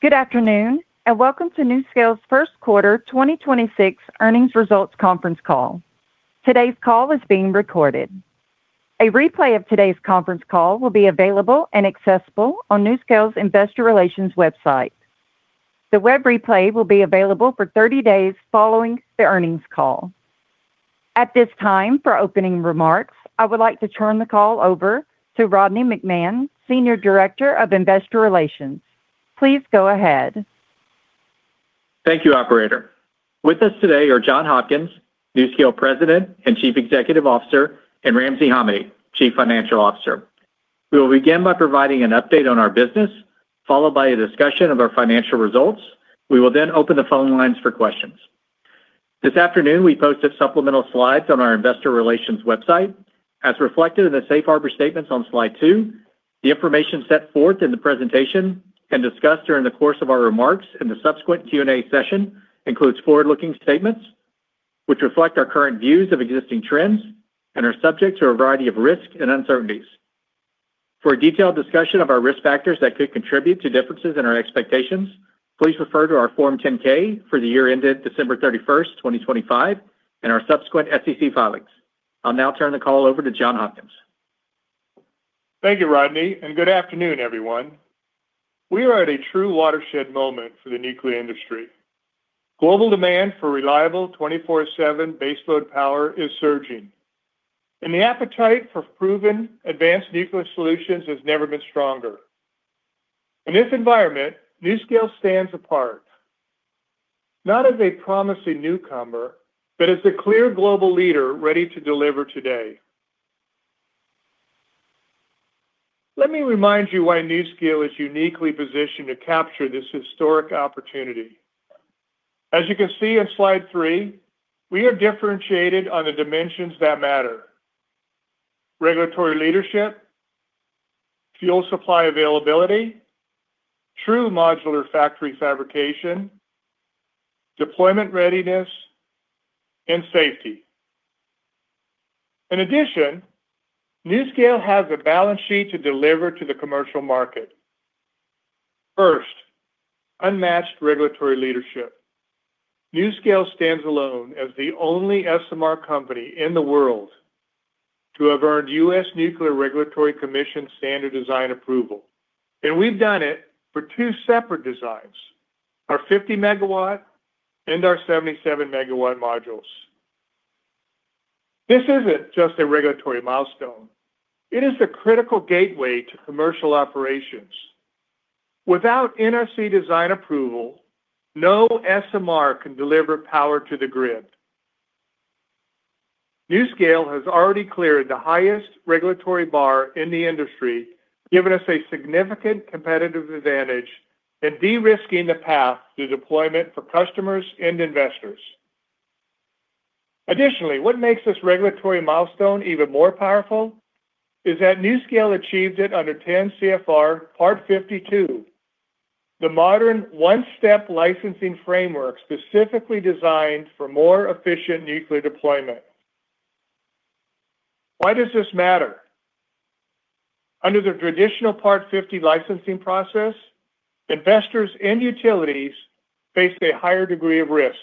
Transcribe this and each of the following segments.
Good afternoon, and welcome to NuScale's first quarter 2026 earnings results conference call. Today's call is being recorded. A replay of today's conference call will be available and accessible on NuScale's investor relations website. The web replay will be available for 30 days following the earnings call. At this time, for opening remarks, I would like to turn the call over to Rodney McMahan, Senior Director of Investor Relations. Please go ahead. Thank you, operator. With us today are John Hopkins, NuScale President and Chief Executive Officer, and Ramsey Hamady, Chief Financial Officer. We will begin by providing an update on our business, followed by a discussion of our financial results. We will open the phone lines for questions. This afternoon, we posted supplemental slides on our investor relations website. As reflected in the safe harbor statements on slide two, the information set forth in the presentation and discussed during the course of our remarks and the subsequent Q&A session includes forward-looking statements which reflect our current views of existing trends and are subject to a variety of risks and uncertainties. For a detailed discussion of our risk factors that could contribute to differences in our expectations, please refer to our Form 10-K for the year ended December 31st, 2025, and our subsequent SEC filings. I'll now turn the call over to John Hopkins. Thank you, Rodney. Good afternoon, everyone. We are at a true watershed moment for the nuclear industry. Global demand for reliable 24/7 baseload power is surging, and the appetite for proven advanced nuclear solutions has never been stronger. In this environment, NuScale stands apart, not as a promising newcomer, but as a clear global leader ready to deliver today. Let me remind you why NuScale is uniquely positioned to capture this historic opportunity. As you can see on slide three, we are differentiated on the dimensions that matter. Regulatory leadership, fuel supply availability, true modular factory fabrication, deployment readiness, and safety. In addition, NuScale has a balance sheet to deliver to the commercial market. First, unmatched regulatory leadership. NuScale stands alone as the only SMR company in the world to have earned US Nuclear Regulatory Commission standard design approval. We've done it for two separate designs, our 50 MW and our 77 MW modules. This isn't just a regulatory milestone. It is the critical gateway to commercial operations. Without NRC design approval, no SMR can deliver power to the grid. NuScale has already cleared the highest regulatory bar in the industry, giving us a significant competitive advantage and de-risking the path to deployment for customers and investors. Additionally, what makes this regulatory milestone even more powerful is that NuScale achieved it under 10 CFR Part 52, the modern one-step licensing framework specifically designed for more efficient nuclear deployment. Why does this matter? Under the traditional Part 50 licensing process, investors and utilities face a higher degree of risk.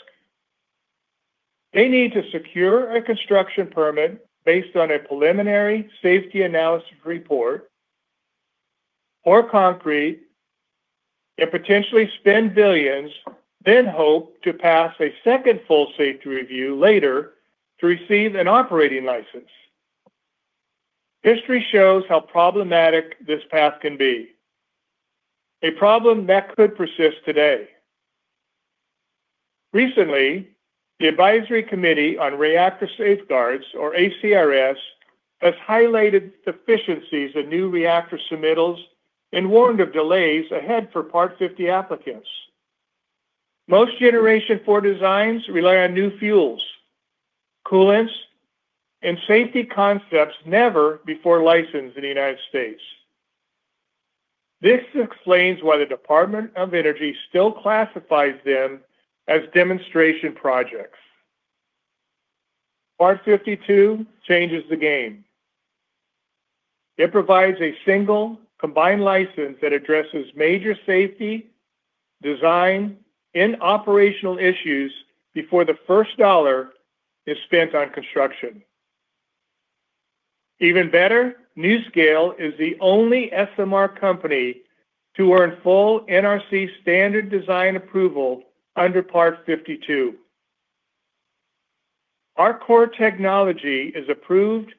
They need to secure a construction permit based on a preliminary safety analysis report, pour concrete, and potentially spend billions, then hope to pass a second full safety review later to receive an operating license. History shows how problematic this path can be, a problem that could persist today. Recently, the Advisory Committee on Reactor Safeguards, or ACRS, has highlighted deficiencies in new reactor submittals and warned of delays ahead for Part 50 applicants. Most Generation 4 designs rely on new fuels, coolants, and safety concepts never before licensed in the United States. This explains why the Department of Energy still classifies them as demonstration projects. Part 52 changes the game. It provides a single, combined license that addresses major safety, design, and operational issues before the first dollar is spent on construction. Even better, NuScale is the only SMR company to earn full NRC standard design approval under Part 52. Our core technology is approved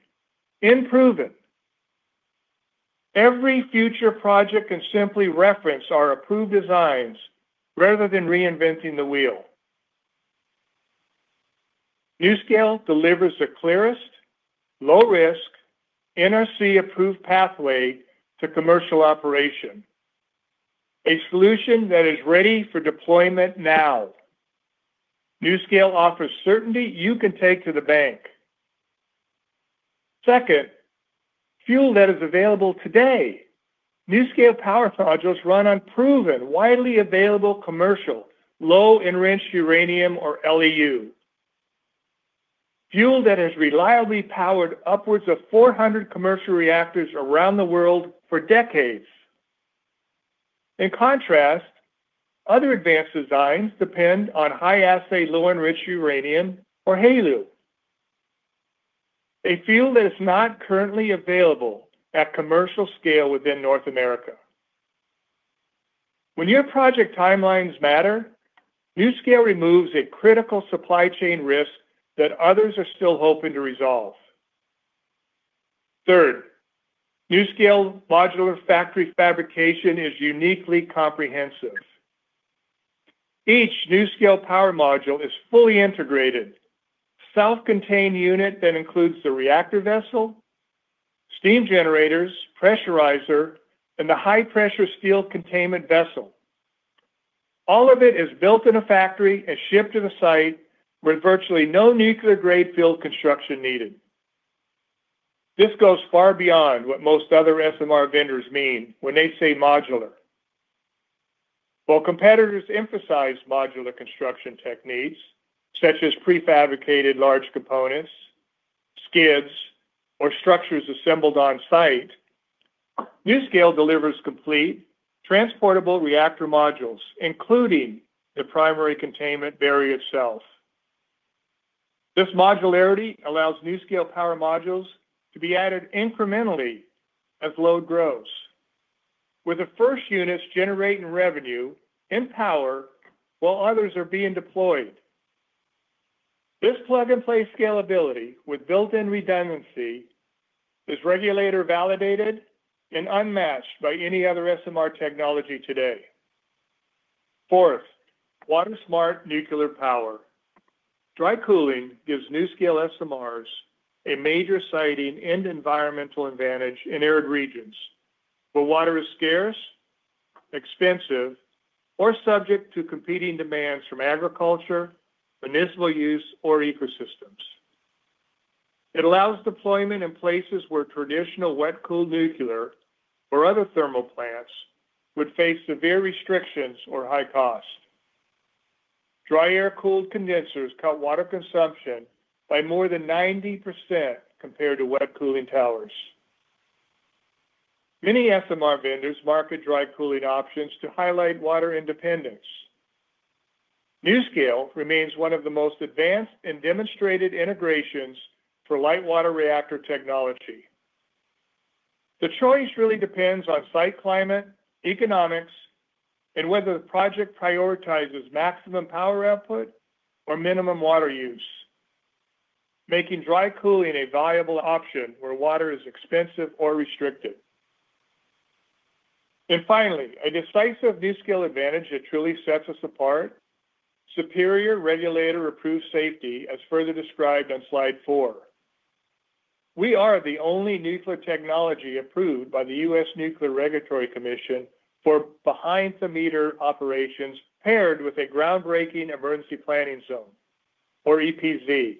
and proven. Every future project can simply reference our approved designs rather than reinventing the wheel. NuScale delivers the clearest, low-risk, NRC-approved pathway to commercial operation, a solution that is ready for deployment now. NuScale offers certainty you can take to the bank. Second, fuel that is available today. NuScale Power Modules run on proven, widely available commercial low-enriched uranium or LEU. Fuel that has reliably powered upwards of 400 commercial reactors around the world for decades. In contrast, other advanced designs depend on high-assay low-enriched uranium or HALEU, a fuel that is not currently available at commercial scale within North America. When your project timelines matter, NuScale removes a critical supply chain risk that others are still hoping to resolve. Third, NuScale modular factory fabrication is uniquely comprehensive. Each NuScale power module is fully integrated, self-contained unit that includes the reactor vessel, steam generators, pressurizer, and the high-pressure steel containment vessel. All of it is built in a factory and shipped to the site with virtually no nuclear-grade field construction needed. This goes far beyond what most other SMR vendors mean when they say modular. While competitors emphasize modular construction techniques, such as prefabricated large components, skids, or structures assembled on-site, NuScale delivers complete transportable reactor modules, including the primary containment barrier itself. This modularity allows NuScale Power Modules to be added incrementally as load grows, with the first units generating revenue and power while others are being deployed. This plug-and-play scalability with built-in redundancy is regulator-validated and unmatched by any other SMR technology today. Fourth, water-smart nuclear power. Dry cooling gives NuScale SMRs a major siting and environmental advantage in arid regions where water is scarce, expensive, or subject to competing demands from agriculture, municipal use, or ecosystems. It allows deployment in places where traditional wet-cooled nuclear or other thermal plants would face severe restrictions or high cost. Dry air-cooled condensers cut water consumption by more than 90% compared to wet cooling towers. Many SMR vendors market dry cooling options to highlight water independence. NuScale remains one of the most advanced and demonstrated integrations for light water reactor technology. The choice really depends on site climate, economics, and whether the project prioritizes maximum power output or minimum water use, making dry cooling a viable option where water is expensive or restricted. Finally, a decisive NuScale advantage that truly sets us apart, superior regulator-approved safety, as further described on slide four. We are the only nuclear technology approved by the US Nuclear Regulatory Commission for behind-the-meter operations paired with a groundbreaking emergency planning zone, or EPZ,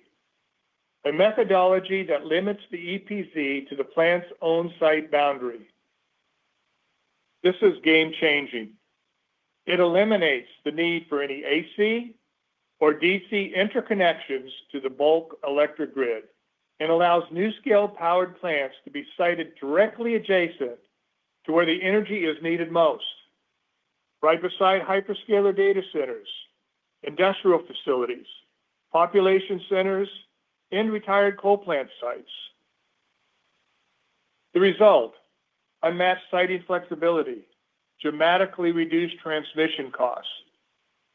a methodology that limits the EPZ to the plant's own site boundary. This is game-changing. It eliminates the need for any AC or DC interconnections to the bulk electric grid and allows NuScale-powered plants to be sited directly adjacent to where the energy is needed most, right beside hyperscaler data centers, industrial facilities, population centers, and retired coal plant sites. The result, unmatched siting flexibility, dramatically reduced transmission costs,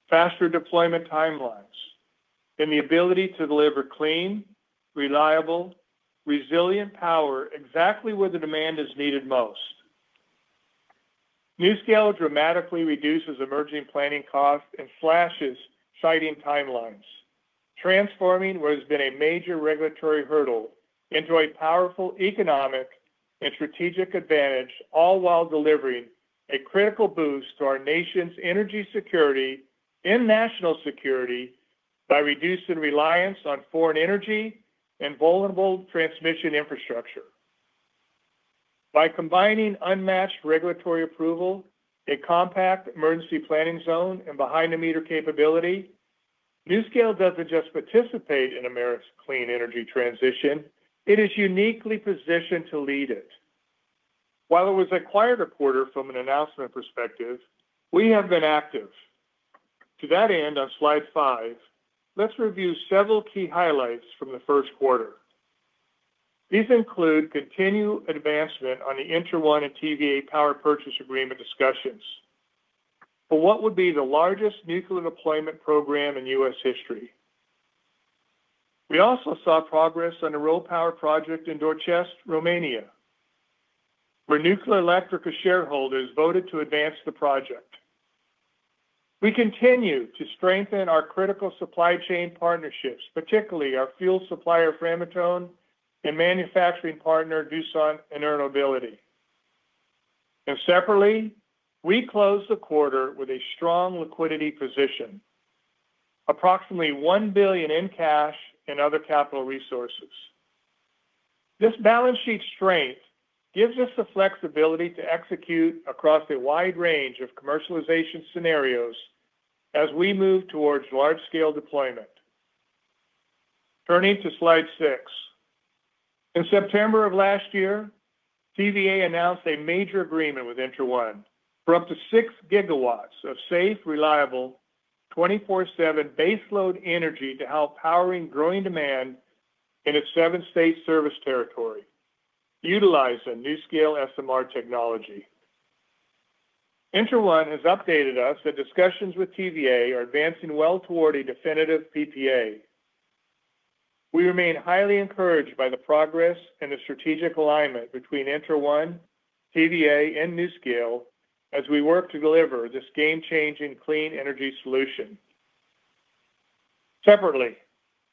faster deployment timelines, and the ability to deliver clean, reliable, resilient power exactly where the demand is needed most. NuScale dramatically reduces emerging planning costs and slashes siting timelines, transforming what has been a major regulatory hurdle into a powerful economic and strategic advantage all while delivering a critical boost to our nation's energy security and national security by reducing reliance on foreign energy and vulnerable transmission infrastructure. By combining unmatched regulatory approval, a compact emergency planning zone and behind-the-meter capability, NuScale doesn't just participate in America's clean energy transition, it is uniquely positioned to lead it. While it was a quiet quarter from an announcement perspective, we have been active. To that end, on slide five, let's review several key highlights from the first quarter. These include continued advancement on the ENTRA1 Energy and TVA power purchase agreement discussions for what would be the largest nuclear deployment program in US history. We also saw progress on the RoPower project in Doicești, Romania, where Nuclearelectrica shareholders voted to advance the project. We continue to strengthen our critical supply chain partnerships, particularly our fuel supplier Framatome and manufacturing partner Doosan Enerbility. Separately, we closed the quarter with a strong liquidity position, approximately $1 billion in cash and other capital resources. This balance sheet strength gives us the flexibility to execute across a wide range of commercialization scenarios as we move towards wide-scale deployment. Turning to slide six, In September of last year, TVA announced a major agreement with ENTRA1 for up to 6 GW of safe, reliable, 24/7 base load energy to help powering growing demand in its seven state service territory, utilizing NuScale SMR technology. ENTRA1 has updated us that discussions with TVA are advancing well toward a definitive PPA. We remain highly encouraged by the progress and the strategic alignment between ENTRA1 TVA and NuScale as we work to deliver this game-changing, clean energy solution. Separately,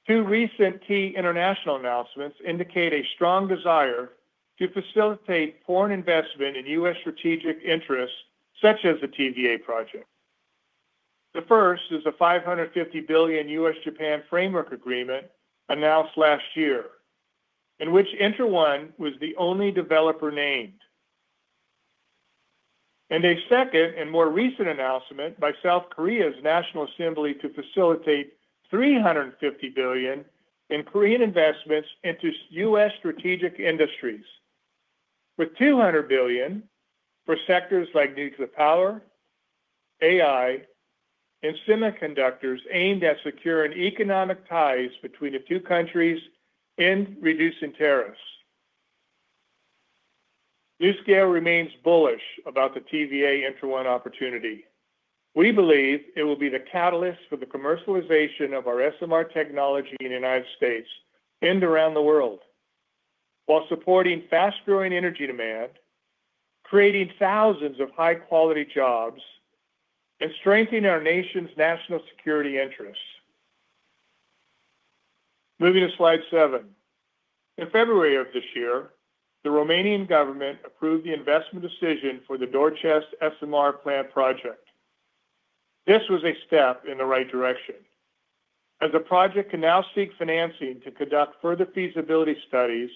two recent key international announcements indicate a strong desire to facilitate foreign investment in US strategic interests, such as the TVA project. The first is a $550 billion U.S.-Japan framework agreement announced last year, in which ENTRA1 was the only developer named. A second and more recent announcement by South Korea's National Assembly to facilitate $350 billion in Korean investments into US strategic industries, with $200 billion for sectors like nuclear power, AI, and semiconductors aimed at securing economic ties between the two countries and reducing tariffs. NuScale remains bullish about the TVA ENTRA1 Energy opportunity. We believe it will be the catalyst for the commercialization of our SMR technology in the U.S. and around the world, while supporting fast-growing energy demand, creating thousands of high-quality jobs, and strengthening our nation's national security interests. Moving to slide seven, In February of this year, the Romanian government approved the investment decision for the Doicești SMR plant project. This was a step in the right direction, as the project can now seek financing to conduct further feasibility studies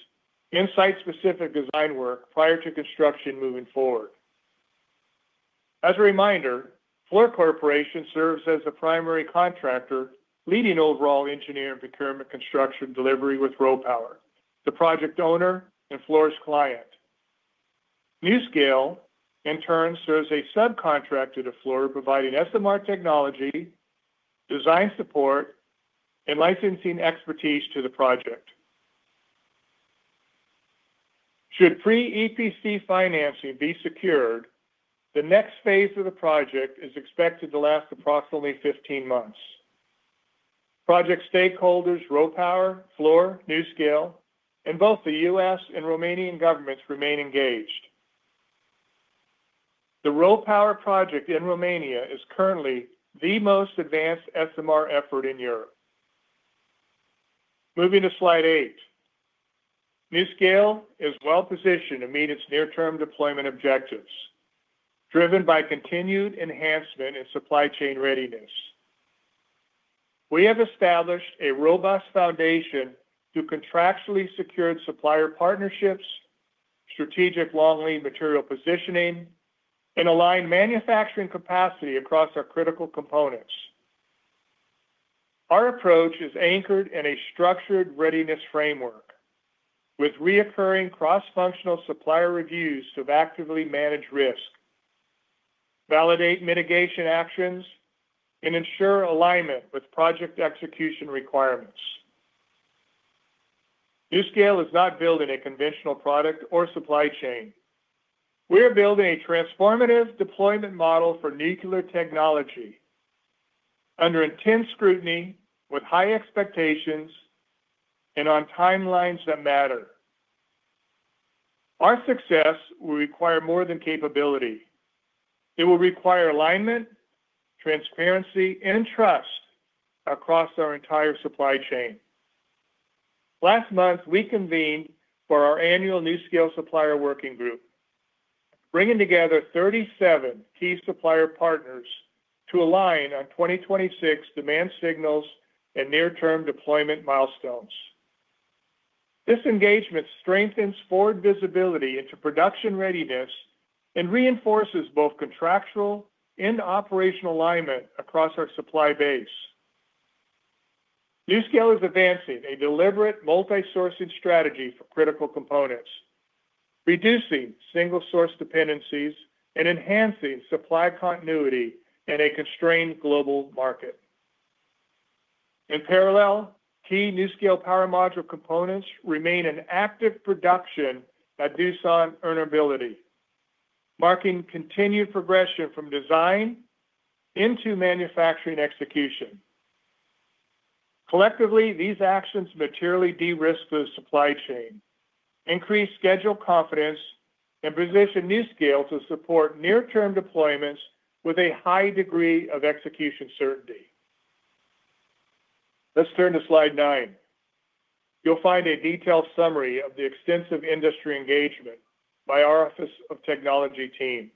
and site-specific design work prior to construction moving forward. As a reminder, Fluor Corporation serves as the primary contractor, leading overall engineering, procurement, construction, delivery with RoPower, the project owner and Fluor's client. NuScale, in turn, serves a subcontractor to Fluor, providing SMR technology, design support, and licensing expertise to the project. Should pre-EPC financing be secured, the next phase of the project is expected to last approximately 15 months. Project stakeholders RoPower, Fluor, NuScale, and both the U.S. and Romanian governments remain engaged. The RoPower project in Romania is currently the most advanced SMR effort in Europe. Moving to slide eight, NuScale is well-positioned to meet its near-term deployment objectives, driven by continued enhancement in supply chain readiness. We have established a robust foundation through contractually secured supplier partnerships, strategic long-lead material positioning, and aligned manufacturing capacity across our critical components. Our approach is anchored in a structured readiness framework with reoccurring cross-functional supplier reviews to actively manage risk, validate mitigation actions, and ensure alignment with project execution requirements. NuScale is not building a conventional product or supply chain. We are building a transformative deployment model for nuclear technology under intense scrutiny, with high expectations and on timelines that matter. Our success will require more than capability. It will require alignment, transparency, and trust across our entire supply chain. Last month, we convened for our annual NuScale supplier working group, bringing together 37 key supplier partners to align on 2026 demand signals and near-term deployment milestones. This engagement strengthens forward visibility into production readiness and reinforces both contractual and operational alignment across our supply base. NuScale is advancing a deliberate multi-sourcing strategy for critical components, reducing single-source dependencies and enhancing supply continuity in a constrained global market. In parallel, key NuScale Power Module components remain in active production at Doosan Enerbility, marking continued progression from design into manufacturing execution. Collectively, these actions materially de-risk the supply chain, increase schedule confidence, and position NuScale to support near-term deployments with a high degree of execution certainty. Let's turn to slide nine You'll find a detailed summary of the extensive industry engagement by our Office of Technology team.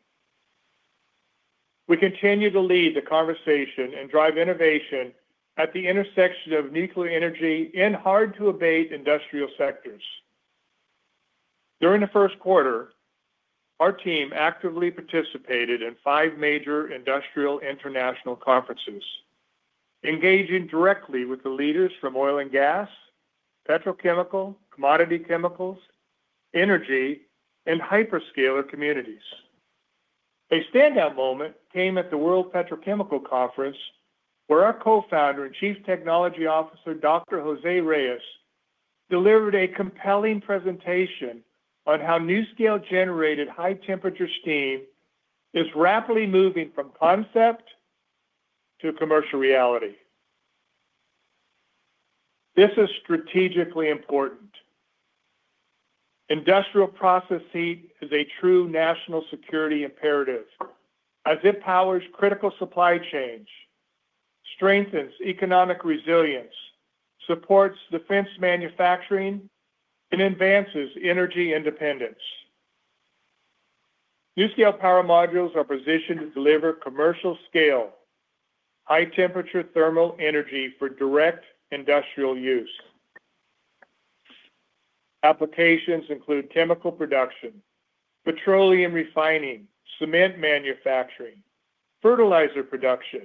We continue to lead the conversation and drive innovation at the intersection of nuclear energy in hard-to-abate industrial sectors. During the first quarter, our team actively participated in five major industrial international conferences, engaging directly with the leaders from oil and gas, petrochemical, commodity chemicals, energy, and hyperscaler communities. A standout moment came at the World Petrochemical Conference, where our co-founder and Chief Technology Officer, Dr. José Reyes, delivered a compelling presentation on how NuScale-generated high-temperature steam is rapidly moving from concept to commercial reality. This is strategically important. Industrial process heat is a true national security imperative as it powers critical supply chains, strengthens economic resilience, supports defense manufacturing, and advances energy independence. NuScale Power Modules are positioned to deliver commercial-scale high-temperature thermal energy for direct industrial use. Applications include chemical production, petroleum refining, cement manufacturing, fertilizer production,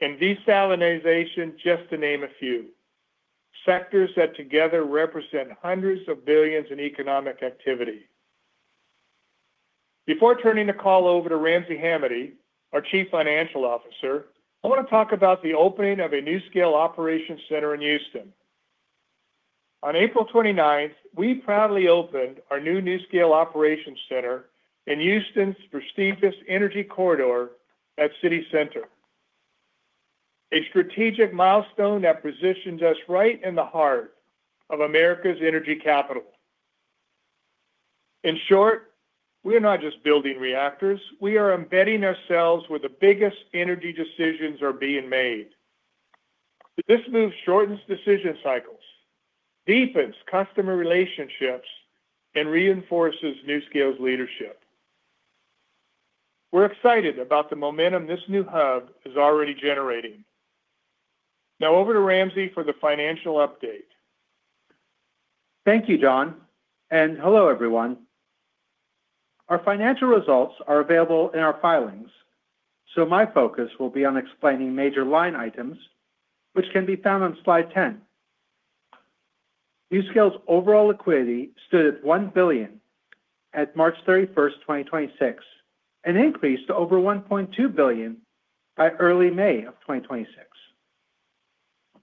and desalinization, just to name a few sectors that together represent hundreds of billions in economic activity. Before turning the call over to Ramsey Hamady, our Chief Financial Officer, I want to talk about the opening of a NuScale operations center in Houston. On April 29th, we proudly opened our new NuScale operations center in Houston's prestigious Energy Corridor at CityCenter, a strategic milestone that positions us right in the heart of America's energy capital. In short, we are not just building reactors, we are embedding ourselves where the biggest energy decisions are being made. This move shortens decision cycles, deepens customer relationships, and reinforces NuScale's leadership. We're excited about the momentum this new hub is already generating. Now over to Ramsey for the financial update. Thank you, John, and hello, everyone. Our financial results are available in our filings, so my focus will be on explaining major line items, which can be found on slide 10. NuScale's overall liquidity stood at $1 billion at March 31st, 2026, an increase to over $1.2 billion by early May of 2026.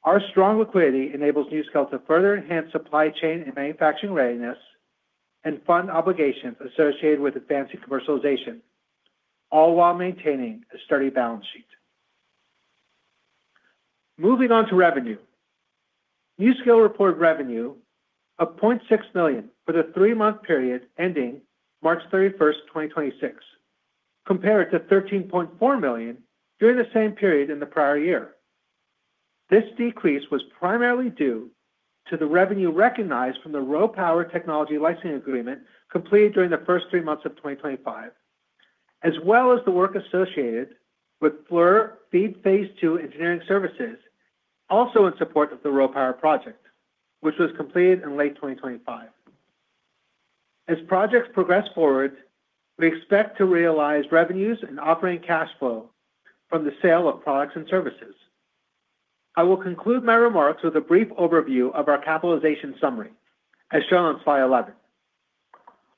Our strong liquidity enables NuScale to further enhance supply chain and manufacturing readiness and fund obligations associated with advancing commercialization, all while maintaining a sturdy balance sheet. Moving on to revenue. NuScale reported revenue of $0.6 million for the three month period ending March 31st, 2026, compared to $13.4 million during the same period in the prior year. This decrease was primarily due to the revenue recognized from the RoPower technology licensing agreement completed during the first three months of 2025, as well as the work associated with Fluor FEED phase II engineering services, also in support of the RoPower project, which was completed in late 2025. As projects progress forward, we expect to realize revenues and operating cash flow from the sale of products and services. I will conclude my remarks with a brief overview of our capitalization summary, as shown on slide 11.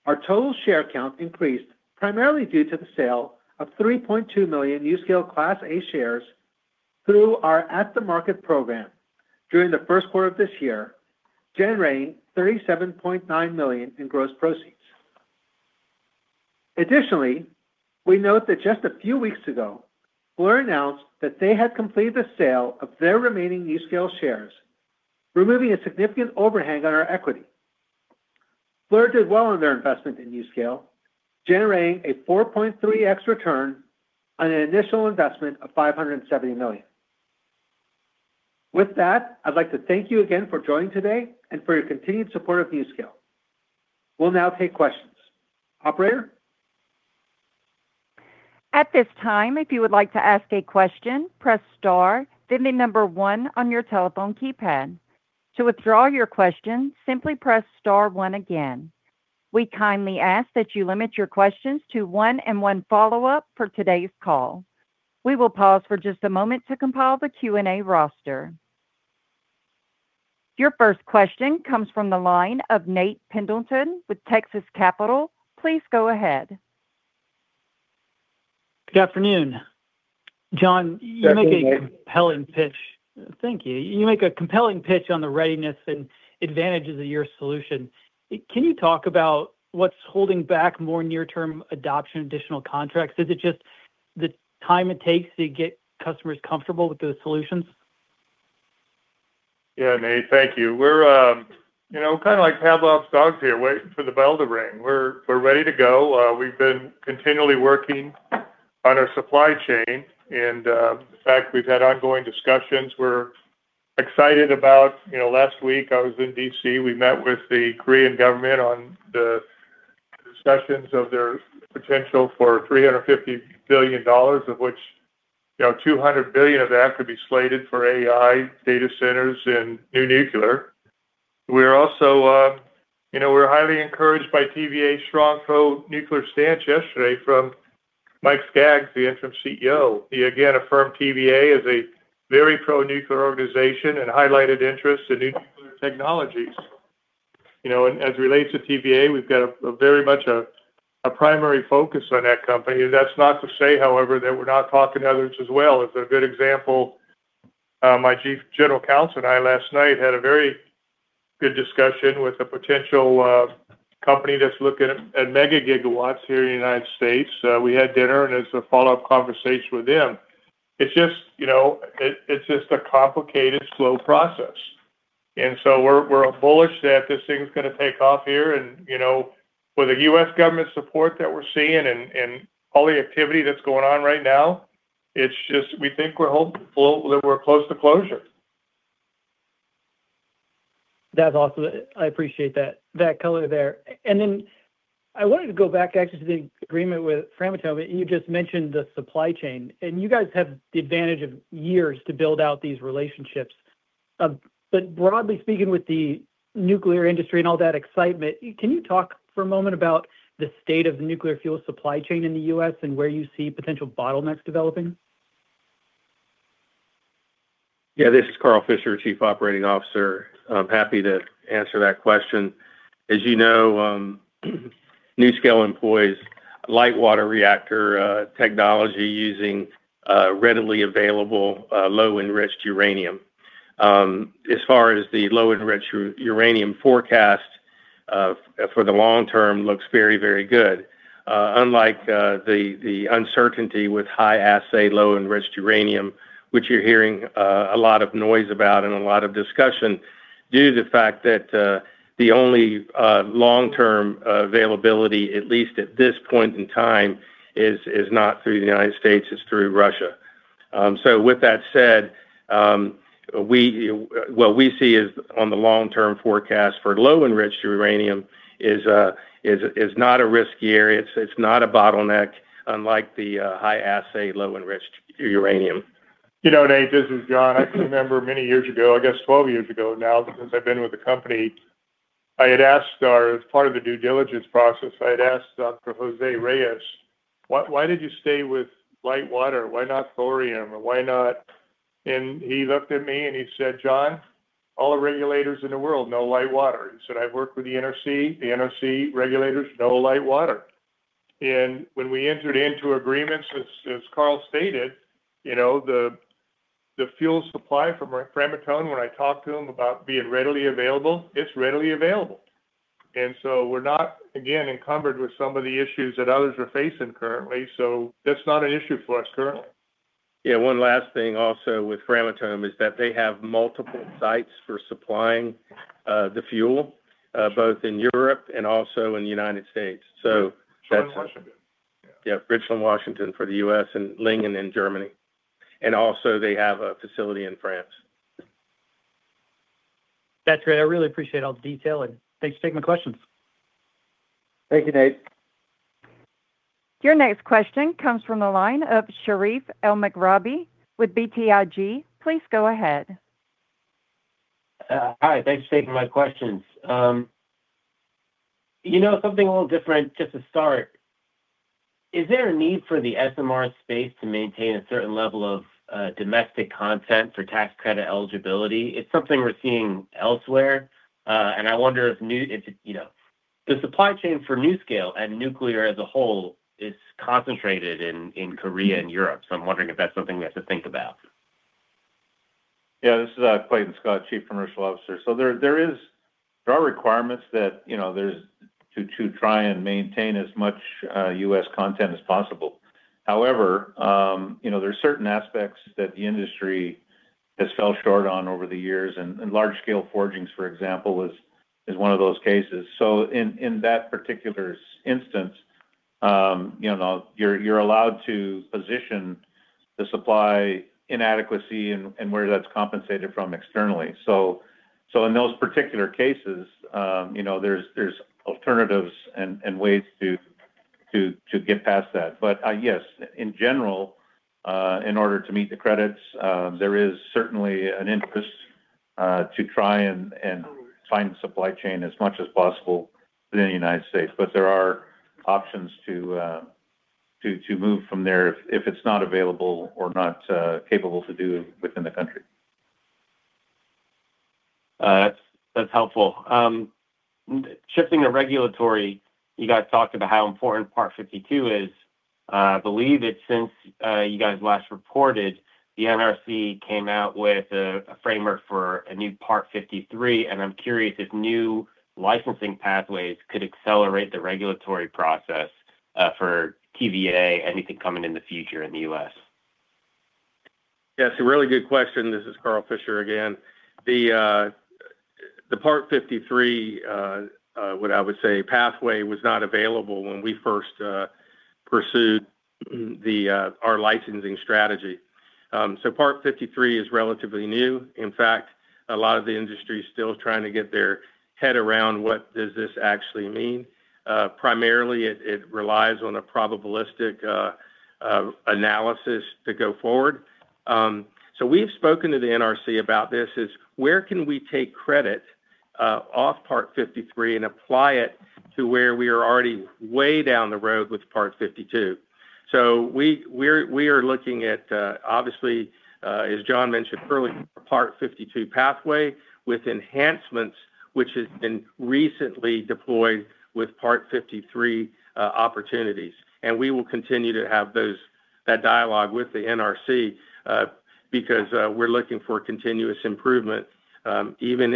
Our total share count increased primarily due to the sale of 3.2 million NuScale Class A shares through our at-the-market program during the first quarter of this year, generating $37.9 million in gross proceeds. Additionally, we note that just a few weeks ago, Fluor announced that they had completed the sale of their remaining NuScale shares, removing a significant overhang on our equity. Fluor did well on their investment in NuScale, generating a 4.3x return on an initial investment of $570 million. With that, I'd like to thank you again for joining today and for your continued support of NuScale. We'll now take questions. Operator? At this time, if you would like to ask a question, press star, then the number one on your telephone keypad. To withdraw your question, simply press star one again. We kindly ask that you limit your questions to one and one follow-up for today's call. We will pause for just a moment to compile the Q&A roster. Your first question comes from the line of Nate Pendleton with Texas Capital. Please go ahead. Good afternoon. John Good afternoon, Nate. Thank you. You make a compelling pitch on the readiness and advantages of your solution. Can you talk about what's holding back more near-term adoption, additional contracts? Is it just the time it takes to get customers comfortable with those solutions? Yeah, Nate, thank you. We're, you know, kind of like Pavlov's dogs here, waiting for the bell to ring. We're ready to go. We've been continually working on our supply chain and, in fact, we've had ongoing discussions. We're excited about, you know, last week I was in D.C. We met with the Korean government on the discussions of their potential for $350 billion of which, you know, $200 billion of that could be slated for AI data centers and new nuclear. We're also, you know, we're highly encouraged by TVA's strong pro-nuclear stance yesterday from Mike Skaggs, the Interim CEO. He again affirmed TVA is a very pro-nuclear organization and highlighted interest in new nuclear technologies. You know, and as it relates to TVA, we've got a very much a primary focus on that company. That's not to say, however, that we're not talking to others as well. As a good example, my chief general counsel and I last night had a very good discussion with a potential company that's looking at mega gigawatts here in the United States. We had dinner and as a follow-up conversation with them. It's just, you know, it's just a complicated, slow process. We're bullish that this thing's gonna take off here and, you know, with the U.S. government support that we're seeing and all the activity that's going on right now, it's just, we think we're hopeful that we're close to closure. That's awesome. I appreciate that color there. I wanted to go back actually to the agreement with Framatome. You just mentioned the supply chain, and you guys have the advantage of years to build out these relationships. Broadly speaking with the nuclear industry and all that excitement, can you talk for a moment about the state of the nuclear fuel supply chain in the U.S. and where you see potential bottlenecks developing? Yeah, this is Carl Fisher, Chief Operating Officer. I'm happy to answer that question. As you know, NuScale employs light water reactor technology using readily available low-enriched uranium. As far as the low-enriched uranium forecast for the long term looks very, very good. Unlike the uncertainty with high assay, low-enriched uranium, which you're hearing a lot of noise about and a lot of discussion due to the fact that the only long-term availability, at least at this point in time is not through the United States, it's through Russia. With that said, what we see is on the long-term forecast for low-enriched uranium is not a risk area. It's not a bottleneck unlike the high assay, low-enriched uranium. You know, Nate, this is John. I can remember many years ago, I guess 12 years ago now, since I've been with the company, I had asked, as part of the due diligence process, I had asked Jose Reyes, "Why, why did you stay with light water? Why not thorium or why not" He looked at me and he said, "John, all the regulators in the world know light water." He said, "I've worked with the NRC, the NRC regulators know light water." When we entered into agreements, as Carl stated, you know, the fuel supply from Framatome, when I talked to him about being readily available, it's readily available. We're not, again, encumbered with some of the issues that others are facing currently. That's not an issue for us currently. One last thing also with Framatome is that they have multiple sites for supplying the fuel, both in Europe and also in the United States. Richland, Washington. Yeah. Yeah, Richland, Washington for the U.S. and Lingen in Germany. Also they have a facility in France. That's great. I really appreciate all the detail, and thanks for taking my questions. Thank you, Nate. Your next question comes from the line of Sherif Elmaghrabi with BTIG. Please go ahead. Hi. Thanks for taking my questions. You know, something a little different just to start, is there a need for the SMR space to maintain a certain level of domestic content for tax credit eligibility? It's something we're seeing elsewhere, and I wonder if, you know, the supply chain for NuScale and nuclear as a whole is concentrated in Korea and Europe. I'm wondering if that's something we have to think about. Yeah, this is Clayton Scott, chief commercial officer. There are requirements that, you know, there's to try and maintain as much U.S. content as possible. However, you know, there's certain aspects that the industry has fell short on over the years and large scale forgings, for example, is one of those cases. In that particular instance, you know, you're allowed to position the supply inadequacy and where that's compensated from externally. In those particular cases, you know, there's alternatives and ways to get past that. Yes, in general, in order to meet the credits, there is certainly an interest to try and find supply chain as much as possible within the United States. There are options to move from there if it's not available or not capable to do within the country. That's helpful. Shifting to regulatory, you guys talked about how important Part 52 is. I believe that since, you guys last reported, the NRC came out with a framework for a new Part 53, I'm curious if new licensing pathways could accelerate the regulatory process for TVA, anything coming in the future in the U.S.? Yeah, it's a really good question. This is Carl Fisher again. The Part 53, what I would say, pathway was not available when we first pursued the our licensing strategy. Part 53 is relatively new. In fact, a lot of the industry's still trying to get their head around what does this actually mean. Primarily it relies on a probabilistic analysis to go forward. We've spoken to the NRC about this, is where can we take credit off Part 53 and apply it to where we are already way down the road with Part 52? We are looking at, obviously, as John mentioned earlier, Part 52 pathway with enhancements which has been recently deployed with Part 53 opportunities. We will continue to have those, that dialogue with the NRC, because we're looking for continuous improvement, even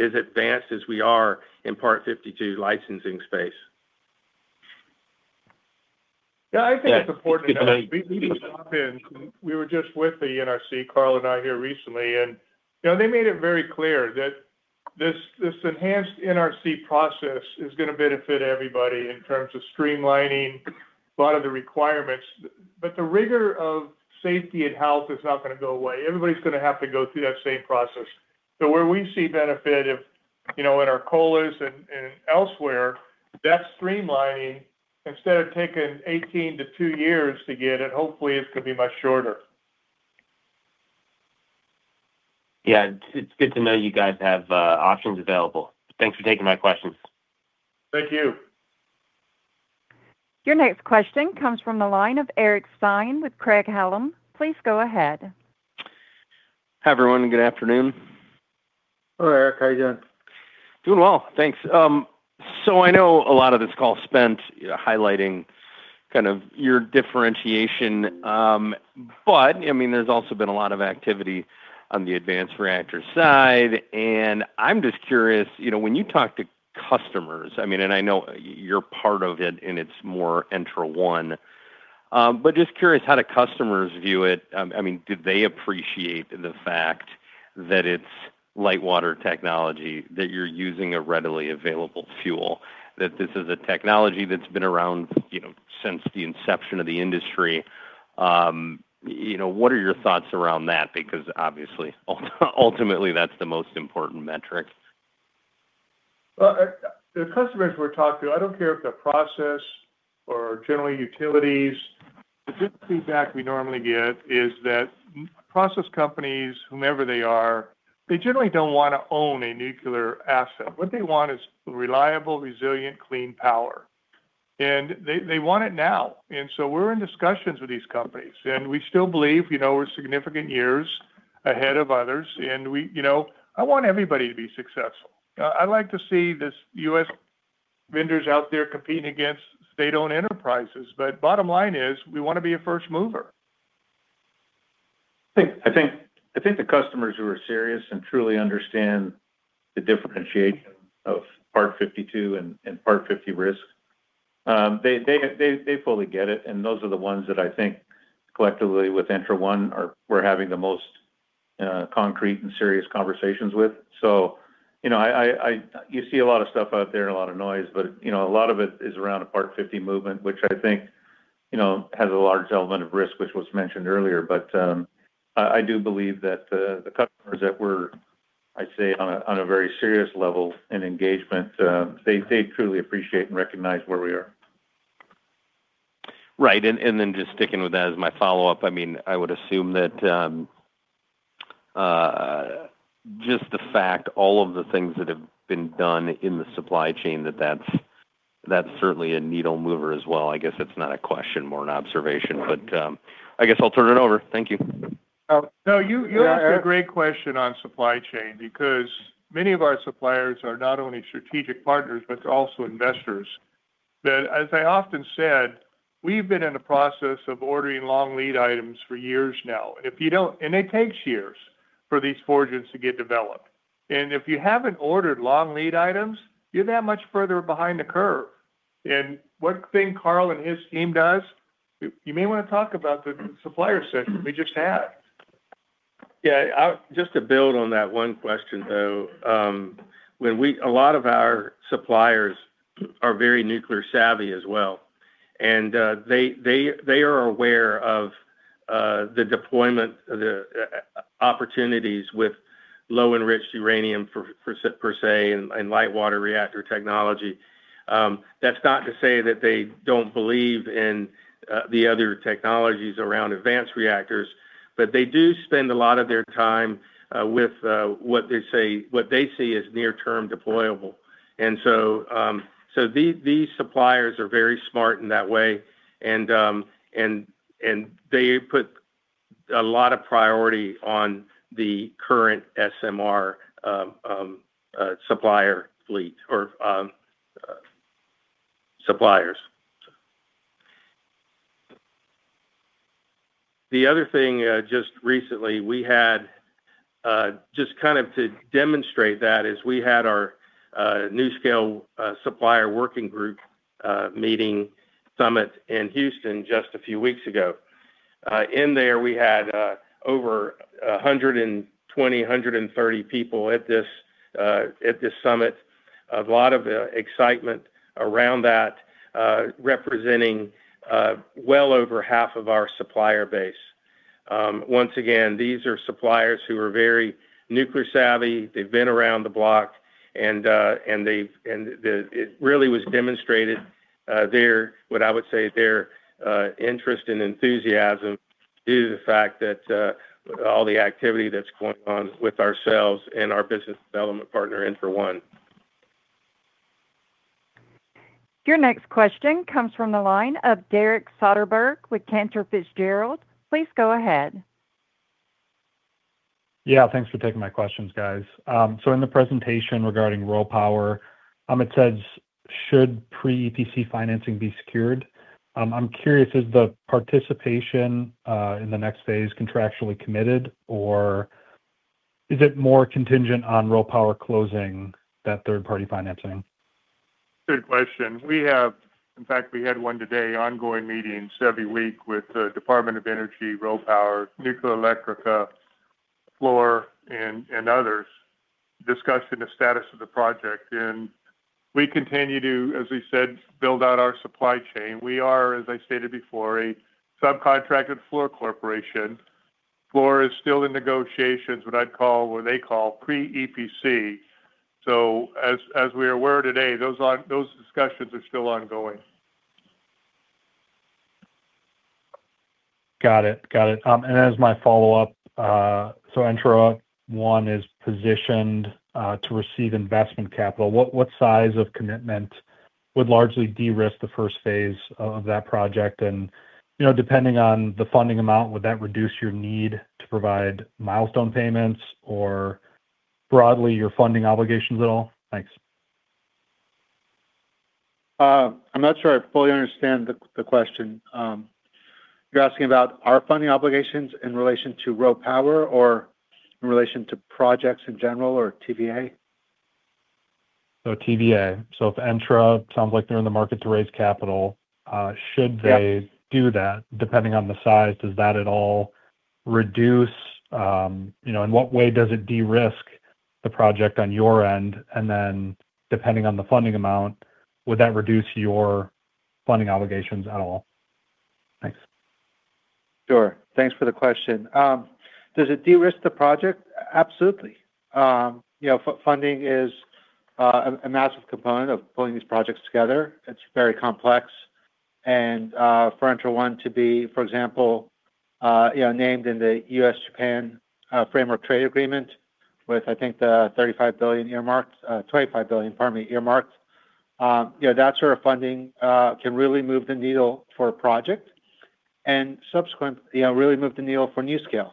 as advanced as we are in Part 52 licensing space. Yeah, I think it's important. Yeah. Let me just hop in. We were just with the NRC, Carl and I here recently. You know, they made it very clear that this enhanced NRC process is going to benefit everybody in terms of streamlining a lot of the requirements, but the rigor of safety and health is not going to go away. Everybody's going to have to go through that same process. Where we see benefit if, you know, in our COLAs and elsewhere, that streamlining, instead of taking 18 to two years to get it, hopefully it's going to be much shorter. Yeah. It's good to know you guys have options available. Thanks for taking my questions. Thank you. Your next question comes from the line of Eric Stine with Craig-Hallum. Please go ahead. Hi, everyone, and good afternoon. Hello, Eric. How you doing? Doing well. Thanks. I know a lot of this call spent highlighting kind of your differentiation. I mean, there's also been a lot of activity on the advanced reactor side, and I'm just curious, you know, when you talk to customers, I mean, and I know you're part of it and it's more ENTRA1, but just curious how do customers view it? I mean, do they appreciate the fact that it's light water technology, that you're using a readily available fuel, that this is a technology that's been around, you know, since the inception of the industry? You know, what are your thoughts around that? Because obviously, ultimately, that's the most important metric. Well, the customers we're talking to, I don't care if they're process or generally utilities, the general feedback we normally get is that process companies, whomever they are, they generally don't wanna own a nuclear asset. What they want is reliable, resilient, clean power, and they want it now. We're in discussions with these companies, and we still believe, you know, we're significant years ahead of others. You know, I want everybody to be successful. I'd like to see this U.S. vendors out there competing against state-owned enterprises. Bottom line is, we wanna be a first mover. I think the customers who are serious and truly understand the differentiation of Part 52 and Part 50 risk, they fully get it, and those are the ones that I think collectively with ENTRA1 Energy are we're having the most concrete and serious conversations with. You know, you see a lot of stuff out there and a lot of noise, but, you know, a lot of it is around the Part 50 movement, which I think, you know, has a large element of risk, which was mentioned earlier. I do believe that the customers that we're, I'd say, on a very serious level in engagement, they truly appreciate and recognize where we are. Right. Then just sticking with that as my follow-up, I mean, I would assume that just the fact all of the things that have been done in the supply chain, that's certainly a needle mover as well. I guess it's not a question, more an observation. I guess I'll turn it over. Thank you. No, you asked. Yeah, Eric A great question on supply chain because many of our suppliers are not only strategic partners but also investors. As I often said, we've been in the process of ordering long lead items for years now. It takes years for these forges to get developed. If you haven't ordered long lead items, you're that much further behind the curve. One thing Carl and his team does, you may want to talk about the supplier session we just had. Yeah. Just to build on that one question, though, a lot of our suppliers are very nuclear savvy as well, and they are aware of the deployment, the opportunities with low-enriched uranium for per se and light water reactor technology. That's not to say that they don't believe in the other technologies around advanced reactors, they do spend a lot of their time with what they see as near-term deployable. These suppliers are very smart in that way and they put a lot of priority on the current SMR supplier fleet or suppliers. The other thing, just recently we had, just kind of to demonstrate that, is we had our NuScale supplier working group meeting summit in Houston just a few weeks ago. In there we had over 120, 130 people at this summit. A lot of excitement around that, representing well over half of our supplier base. Once again, these are suppliers who are very nuclear savvy. They've been around the block and it really was demonstrated their, what I would say their, interest and enthusiasm due to the fact that all the activity that's going on with ourselves and our business development partner ENTRA1. Your next question comes from the line of Derek Soderberg with Cantor Fitzgerald. Please go ahead. Yeah, thanks for taking my questions, guys. In the presentation regarding RoPower, it says, "Should pre-EPC financing be secured?" I'm curious, is the participation in the next phase contractually committed, or is it more contingent on RoPower closing that third-party financing? Good question. In fact, we had one today, ongoing meetings every week with the Department of Energy, RoPower, Nuclearelectrica, Fluor, and others discussing the status of the project. We continue to, as we said, build out our supply chain. We are, as I stated before, a subcontracted Fluor Corporation. Fluor is still in negotiations what I'd call, what they call pre-EPC. As we are aware today, those discussions are still ongoing. Got it. Got it. As my follow-up, ENTRA1 is positioned to receive investment capital. What size of commitment would largely de-risk the first phase of that project? You know, depending on the funding amount, would that reduce your need to provide milestone payments or broadly your funding obligations at all? Thanks. I'm not sure I fully understand the question. You're asking about our funding obligations in relation to RoPower or in relation to projects in general, or TVA? TVA. If Entra, sounds like they're in the market to raise capital. Yeah should they do that, depending on the size, You know, in what way does it de-risk the project on your end? depending on the funding amount, would that reduce your funding obligations at all? Thanks. Sure. Thanks for the question. Does it de-risk the project? Absolutely. You know, funding is a massive component of pulling these projects together. It's very complex and for ENTRA1 to be, for example, you know, named in the U.S.-Japan Framework Trade Agreement with I think the $35 billion earmarked, $25 billion, pardon me, earmarked. You know, that sort of funding can really move the needle for a project and you know, really move the needle for NuScale.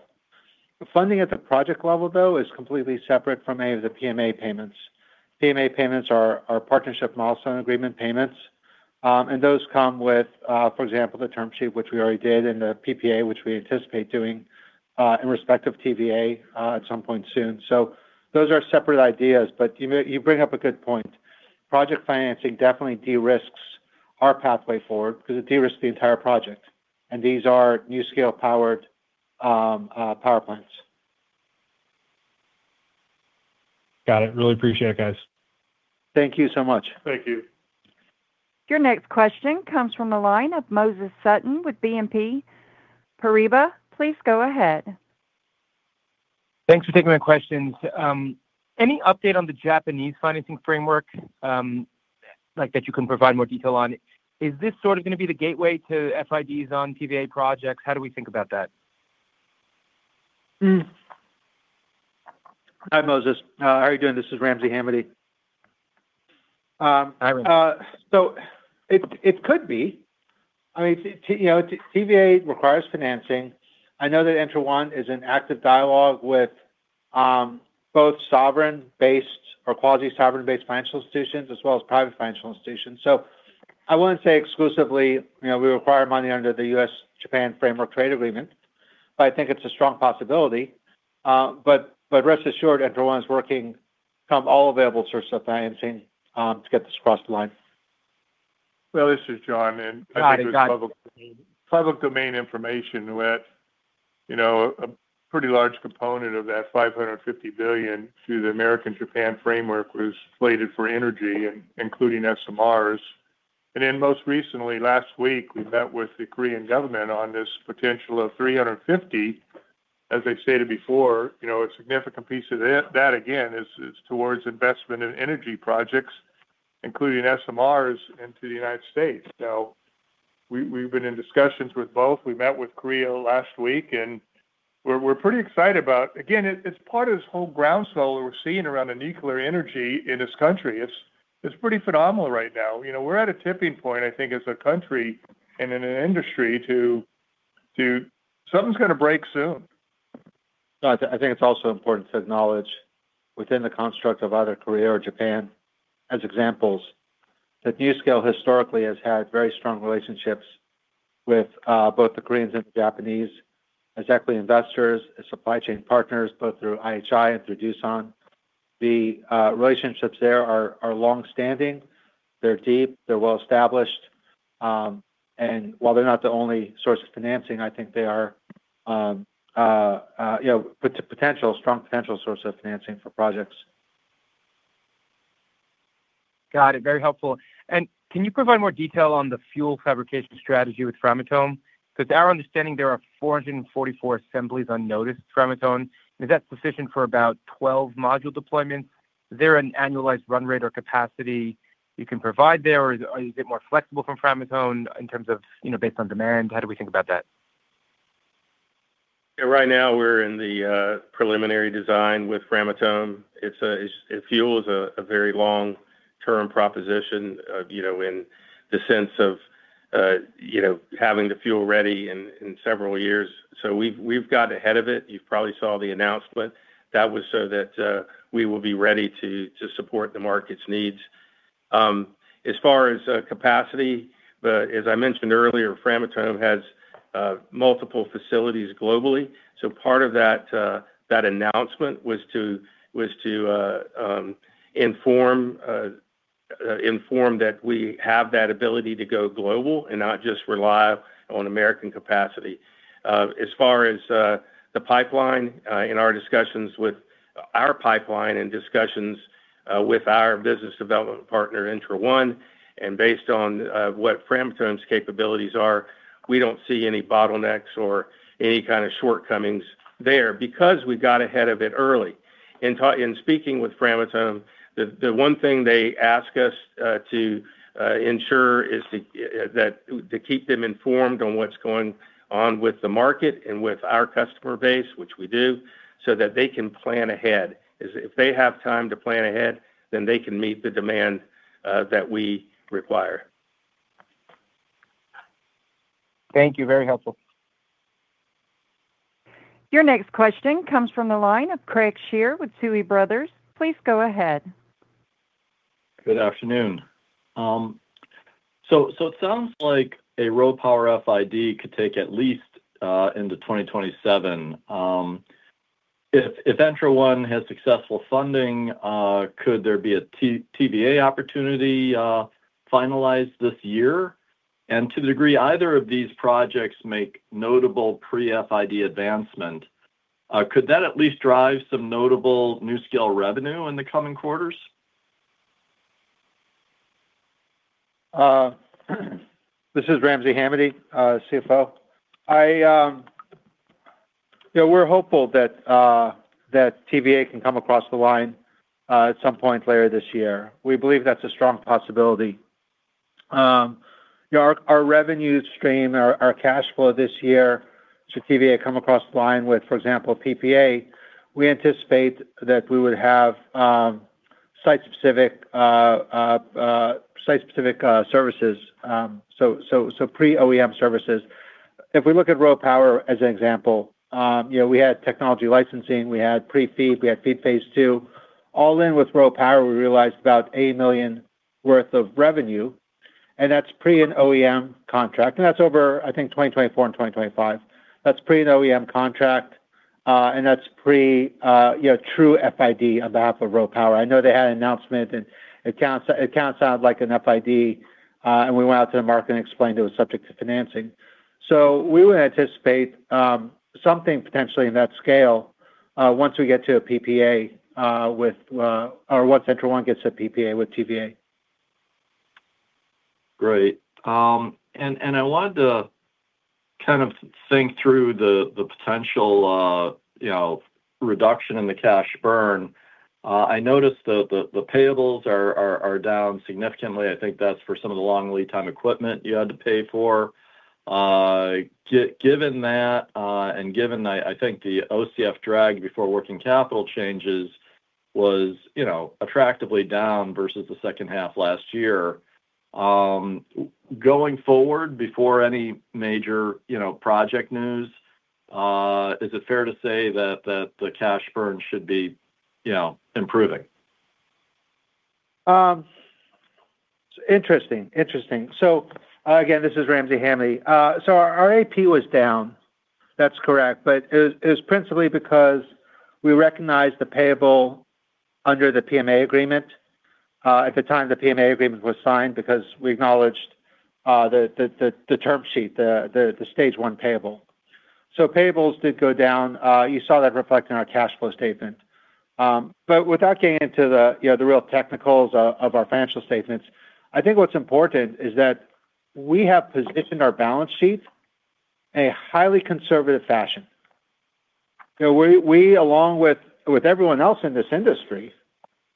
Funding at the project level, though, is completely separate from any of the PMA payments. PMA payments are partnership milestone agreement payments. And those come with, for example, the term sheet, which we already did, and the PPA, which we anticipate doing in respect of TVA at some point soon. Those are separate ideas, but you bring up a good point. Project financing definitely de-risks our pathway forward because it de-risks the entire project, and these are NuScale powered power plants. Got it. Really appreciate it, guys. Thank you so much. Thank you. Your next question comes from the line of Moses Sutton with BNP Paribas. Please go ahead. Thanks for taking my questions. Any update on the Japanese financing framework, like that you can provide more detail on? Is this sort of gonna be the gateway to FIDs on TVA projects? How do we think about that? Hi, Moses. How are you doing? This is Ramsey Hamady. Hi, Ramsey. It could be. I mean, you know, TVA requires financing. I know that ENTRA1 Energy is in active dialogue with both sovereign-based or quasi sovereign-based financial institutions as well as private financial institutions. I wouldn't say exclusively, you know, we require money under the U.S.-Japan Framework Trade Agreement, but I think it's a strong possibility. Rest assured, ENTRA1 is working from all available sources of financing to get this across the line. Well, this is John. Got it. I think it's public domain information that, you know, a pretty large component of that $550 billion through the U.S.-Japan framework was slated for energy, including SMRs. Most recently, last week, we met with the Korean government on this potential of $350 million. As I stated before, you know, a significant piece of that again is towards investment in energy projects, including SMRs into the United States, we've been in discussions with both. We met with Korea last week, we're pretty excited about. Again, it's part of this whole groundswell that we're seeing around the nuclear energy in this country. It's pretty phenomenal right now. You know, we're at a tipping point, I think, as a country and in an industry to. Something's gonna break soon. No, I think it's also important to acknowledge within the construct of either Korea or Japan as examples, that NuScale historically has had very strong relationships with both the Koreans and the Japanese as equity investors, as supply chain partners, both through IHI and through Doosan, the relationships there are long-standing, they're deep, they're well-established. While they're not the only source of financing, I think they are, you know, potential, strong potential source of financing for projects. Got it. Very helpful. Can you provide more detail on the fuel fabrication strategy with Framatome? Because our understanding, there are 444 assemblies on notice with Framatome. Is that sufficient for about 12 module deployments? Is there an annualized run rate or capacity you can provide there, or is it more flexible from Framatome in terms of, you know, based on demand? How do we think about that? Right now we're in the preliminary design with Framatome. It fuels a very long-term proposition, you know, in the sense of, you know, having the fuel ready in several years. We've got ahead of it. You probably saw the announcement. That was so that we will be ready to support the market's needs. As far as capacity, as I mentioned earlier, Framatome has multiple facilities globally. Part of that announcement was to inform that we have that ability to go global and not just rely on American capacity. As far as the pipeline, in our discussions with our pipeline and discussions with our business development partner, ENTRA1, and based on what Framatome's capabilities are, we don't see any bottlenecks or any kind of shortcomings there because we got ahead of it early. In speaking with Framatome, the one thing they ask us to ensure is to keep them informed on what's going on with the market and with our customer base, which we do, so that they can plan ahead. If they have time to plan ahead, then they can meet the demand that we require. Thank you. Very helpful. Your next question comes from the line of Craig Shere with Tuohy Brothers. Please go ahead. Good afternoon. It sounds like a RoPower FID could take at least into 2027. If ENTRA1 has successful funding, could there be a TVA opportunity finalized this year? To the degree either of these projects make notable pre-FID advancement, could that at least drive some notable NuScale revenue in the coming quarters? This is Ramsey Hamady, CFO. We're hopeful that TVA can come across the line at some point later this year. We believe that's a strong possibility. Our revenue stream, our cash flow this year, should TVA come across the line with, for example, PPA, we anticipate that we would have site-specific services. So pre-OEM services. If we look at RoPower as an example, you know, we had technology licensing, we had pre-FEED, we had FEED phase II. All in with RoPower, we realized about $8 million worth of revenue, and that's pre an OEM contract. That's over, I think, 2024 and 2025. That's pre an OEM contract, and that's pre, you know, true FID on behalf of RoPower. I know they had an announcement and it kinda sounded like an FID, and we went out to the market and explained it was subject to financing. We would anticipate something potentially in that scale once we get to a PPA, with, or once ENTRA1 gets a PPA with TVA. Great. And I wanted to kind of think through the potential, you know, reduction in the cash burn. I noticed the payables are down significantly. I think that's for some of the long lead time equipment you had to pay for. Given that, and given that I think the OCF drag before working capital changes was, you know, attractively down versus the second half last year, going forward, before any major, you know, project news, is it fair to say that the cash burn should be, you know, improving? Interesting. Interesting. Again, this is Ramsey Hamady. Our AP was down. That's correct. It was principally because we recognized the payable under the PMA agreement at the time the PMA agreement was signed because we acknowledged the term sheet, the stage one payable. Payables did go down. You saw that reflected in our cash flow statement. Without getting into the, you know, the real technicals of our financial statements, I think what's important is that we have positioned our balance sheet in a highly conservative fashion. You know, we, along with everyone else in this industry,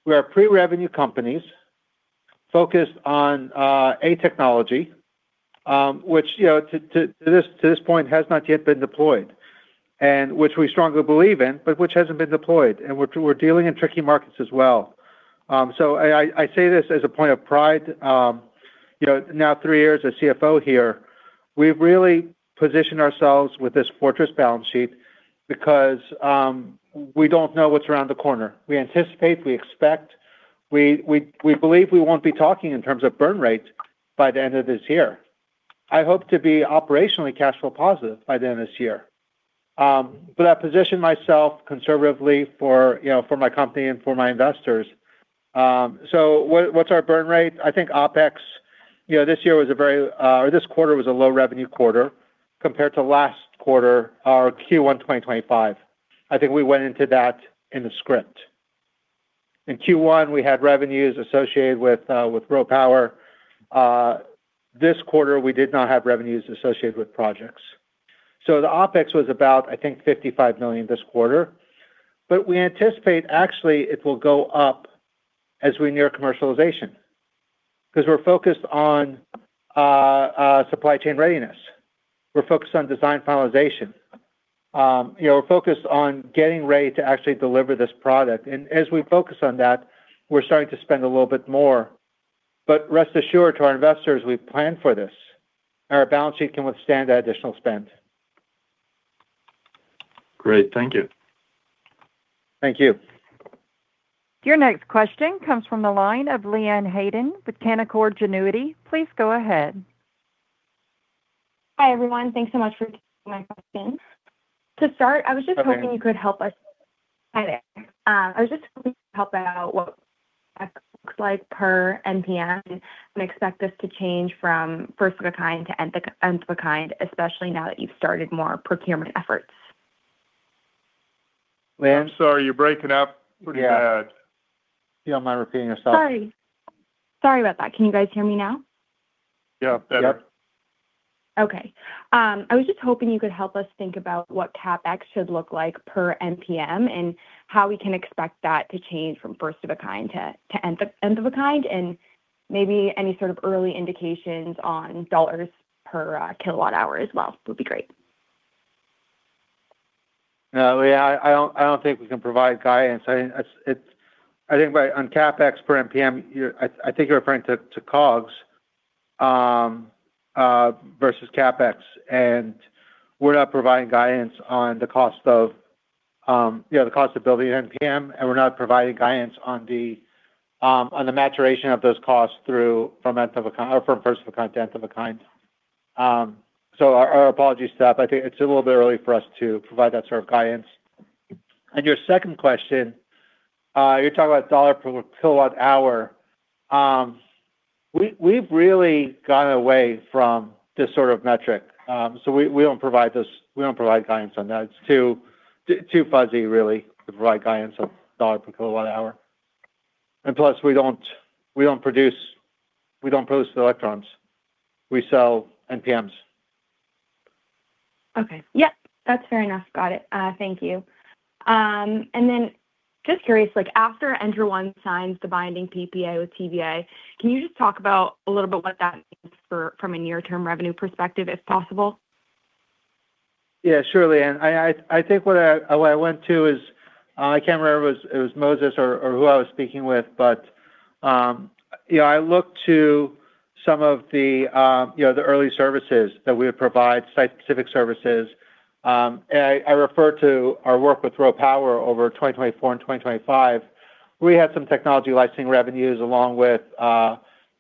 we are pre-revenue companies focused on a technology, which, you know, to this point has not yet been deployed, and which we strongly believe in, but which hasn't been deployed. We're dealing in tricky markets as well. I say this as a point of pride. You know, now three years as CFO here, we've really positioned ourselves with this fortress balance sheet because we don't know what's around the corner. We anticipate, we expect we believe we won't be talking in terms of burn rate by the end of this year. I hope to be operationally cash flow positive by the end of this year. I positioned myself conservatively for, you know, for my company and for my investors. What's our burn rate? I think OpEx, you know, this quarter was a low revenue quarter compared to last quarter, our Q1 2025. I think we went into that in the script. In Q1, we had revenues associated with RoPower. This quarter, we did not have revenues associated with projects. The OpEx was about, I think, $55 million this quarter. We anticipate actually it will go up as we near commercialization because we're focused on supply chain readiness. We're focused on design finalization. You know, we're focused on getting ready to actually deliver this product. As we focus on that, we're starting to spend a little bit more. Rest assured to our investors, we've planned for this. Our balance sheet can withstand that additional spend. Great. Thank you. Thank you. Your next question comes from the line of Leanne Hayden with Canaccord Genuity. Please go ahead. Hi, everyone. Thanks so much for taking my question. To start. Okay hoping you could help us. Hi there. I was just hoping you could help out what CapEx looks like per NPM and expect this to change from first of a kind to nth of a kind, especially now that you've started more procurement efforts? Leanne? I'm sorry, you're breaking up pretty bad. Yeah. You don't mind repeating yourself? Sorry. Sorry about that. Can you guys hear me now? Yeah, better. Yep. Okay. I was just hoping you could help us think about what CapEx should look like per NPM and how we can expect that to change from first of a kind to nth of a kind and maybe any sort of early indications on dollar per kilowatt-hour as well would be great. No, I don't think we can provide guidance. I think you're referring to COGS versus CapEx. We're not providing guidance on the cost of the cost of building an NPM, and we're not providing guidance on the maturation of those costs through from first of a kind to nth of a kind. Our apologies, Steph. I think it's a little bit early for us to provide that sort of guidance. Your second question, you're talking about dollar per kilowatt hour. We've really gone away from this sort of metric. We don't provide this, we don't provide guidance on that. It's too fuzzy really to provide guidance on dollar per kilowatt hour. Plus we don't produce electrons. We sell NPMs. Okay. Yep. That's fair enough. Got it. Thank you. Just curious, like after ENTRA1 signs the binding PPA with TVA, can you just talk about a little bit what that means from a near-term revenue perspective if possible? Yeah, surely. I think what I went to is, I can't remember if it was Moses or who I was speaking with. You know, I look to some of the, you know, the early services that we would provide, site-specific services. I refer to our work with RoPower over 2024 and 2025. We had some technology licensing revenues along with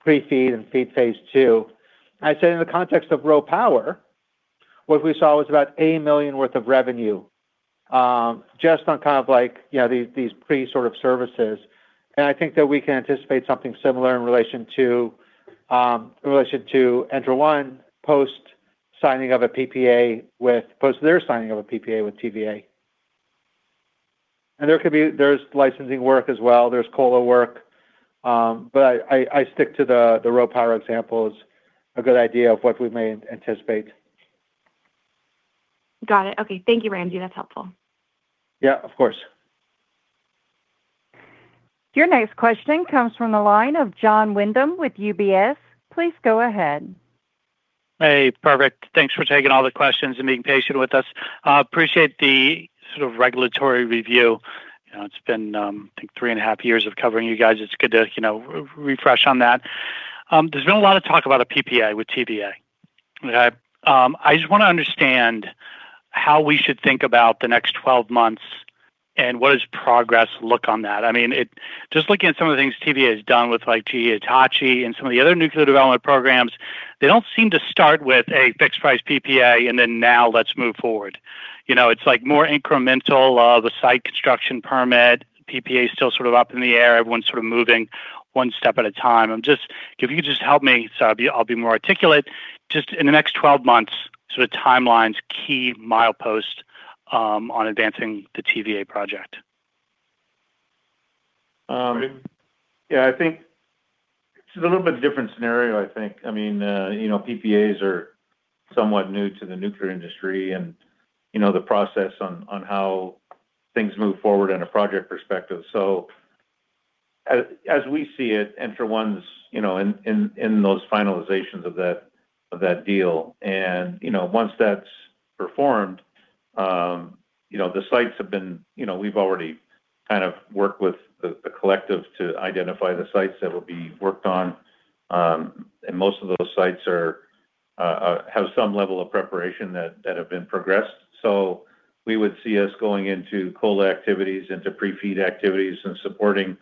pre-FEED and FEED phase II. I'd say in the context of RoPower, what we saw was about $1 million worth of revenue, just on kind of like, you know, these pre sort of services. I think that we can anticipate something similar in relation to, in relation to ENTRA1 post signing of a PPA with post their signing of a PPA with TVA. There's licensing work as well, there's COLA work. I stick to the RoPower example as a good idea of what we may anticipate. Got it. Okay. Thank you, Ramsey. That's helpful. Yeah, of course. Your next question comes from the line of Jon Windham with UBS. Please go ahead. Hey, perfect. Thanks for taking all the questions and being patient with us. Appreciate the sort of regulatory review. You know, it's been, I think three and a half years of covering you guys. It's good to, you know, refresh on that. There's been a lot of talk about a PPA with TVA. Okay. I just wanna understand how we should think about the next 12 months, and what does progress look on that? I mean, just looking at some of the things TVA has done with like GE Hitachi and some of the other nuclear development programs, they don't seem to start with a fixed price PPA and then now let's move forward. You know, it's like more incremental, the site construction permit, PPA is still sort of up in the air, everyone's sort of moving one step at a time. If you could just help me so I'll be more articulate. Just in the next 12 months, sort of timelines, key mileposts, on advancing the TVA project. I think this is a little bit different scenario, I think. I mean, you know, PPAs are somewhat new to the nuclear industry and, you know, the process on how things move forward in a project perspective. As we see it, ENTRA1's, you know, in those finalizations of that deal. Once that's performed, we've already kind of worked with the collective to identify the sites that will be worked on. Most of those sites are have some level of preparation that have been progressed. We would see us going into COLA activities, into pre-FEED activities, and supporting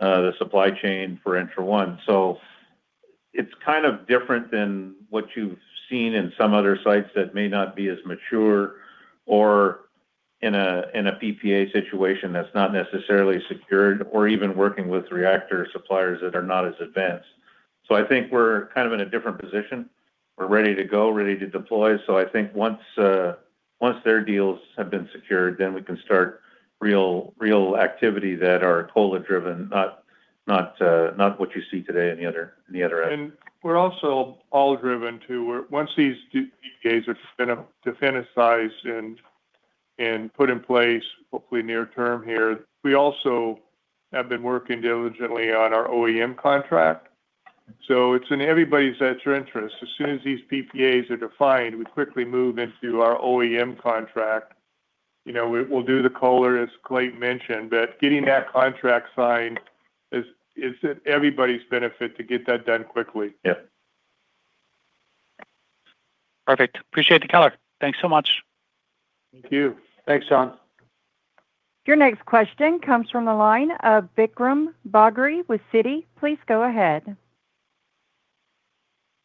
the supply chain for ENTRA1. It's kind of different than what you've seen in some other sites that may not be as mature or in a PPA situation that's not necessarily secured or even working with reactor suppliers that are not as advanced. I think we're kind of in a different position. We're ready to go, ready to deploy. I think once their deals have been secured, then we can start real activity that are COLA-driven, not what you see today in the other end. We're also all driven to where once these PPAs are definitized and put in place, hopefully near term here, we also have been working diligently on our OEM contract. It's in everybody's interest. As soon as these PPAs are defined, we quickly move into our OEM contract. You know, we'll do the COLA, as Clayton mentioned, but getting that contract signed is in everybody's benefit to get that done quickly. Yeah. Perfect. Appreciate the color. Thanks so much. Thank you. Thanks, Jon. Your next question comes from the line of Vikram Bagri with Citi. Please go ahead.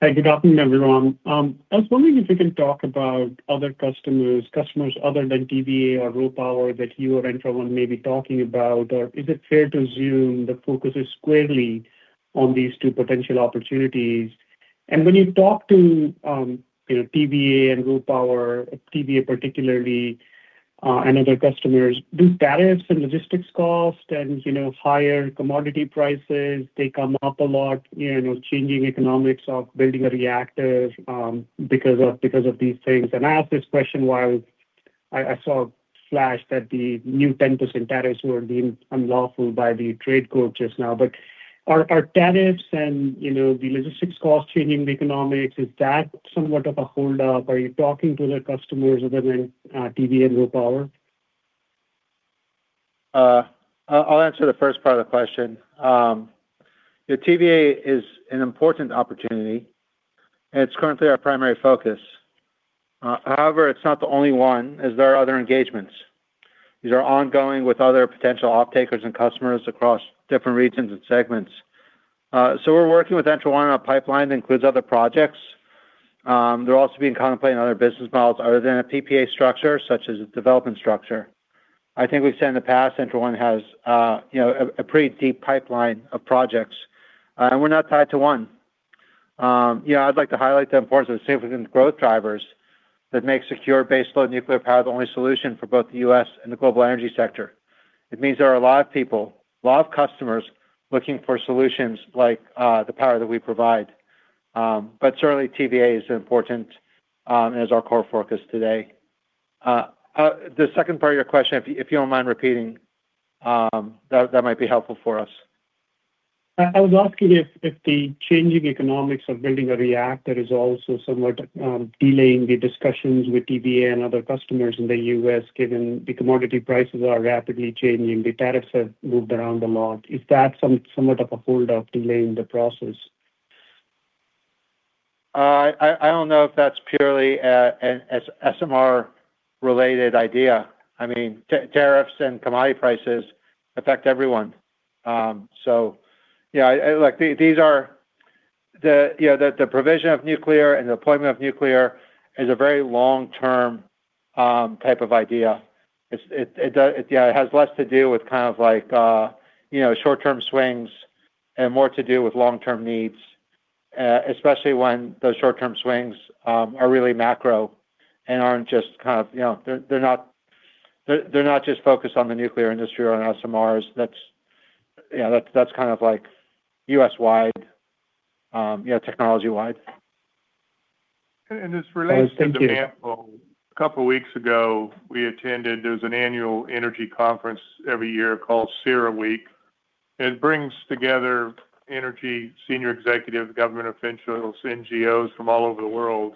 Hey, good afternoon, everyone. I was wondering if you can talk about other customers other than TVA or RoPower that you or ENTRA1 Energy may be talking about, or is it fair to assume the focus is squarely on these two potential opportunities? When you talk to, you know, TVA and RoPower, TVA particularly, and other customers, do tariffs and logistics costs and, you know, higher commodity prices, they come up a lot, you know, changing economics of building a reactor because of, because of these things? I ask this question while I saw a flash that the new 10% tariffs were deemed unlawful by the trade court just now. Are tariffs and, you know, the logistics cost changing the economics, is that somewhat of a hold up? Are you talking to the customers other than TVA and RoPower? I'll answer the first part of the question. Yeah, TVA is an important opportunity, and it's currently our primary focus. However, it's not the only one, as there are other engagements. These are ongoing with other potential off-takers and customers across different regions and segments. We're working with ENTRA1 on a pipeline that includes other projects. They're also being contemplating other business models other than a PPA structure, such as a development structure. I think we've said in the past, ENTRA1 Energy has, you know, a pretty deep pipeline of projects. We're not tied to one. You know, I'd like to highlight the importance of the significant growth drivers that make secure baseload nuclear power the only solution for both the U.S. and the global energy sector. It means there are a lot of people, a lot of customers looking for solutions like, the power that we provide. Certainly TVA is important, and is our core focus today. The second part of your question, if you, if you don't mind repeating, that might be helpful for us. I was asking if the changing economics of building a reactor is also somewhat delaying the discussions with TVA and other customers in the U.S., given the commodity prices are rapidly changing, the tariffs have moved around a lot. Is that somewhat of a hold up delaying the process? I don't know if that's purely an SMR related idea. I mean, tariffs and commodity prices affect everyone. Yeah, like, these are the, you know, the provision of nuclear and deployment of nuclear is a very long-term type of idea. Yeah, it has less to do with kind of like, you know, short-term swings and more to do with long-term needs, especially when those short-term swings are really macro and aren't just kind of, you know, they're not just focused on the nuclear industry or on SMRs. That's, yeah, that's kind of like U.S. wide, you know, technology-wide. This relates to the example. Thanks. Thank you A couple of weeks ago, we attended, there's an annual energy conference every year called CERAWeek. It brings together energy senior executives, government officials, NGOs from all over the world.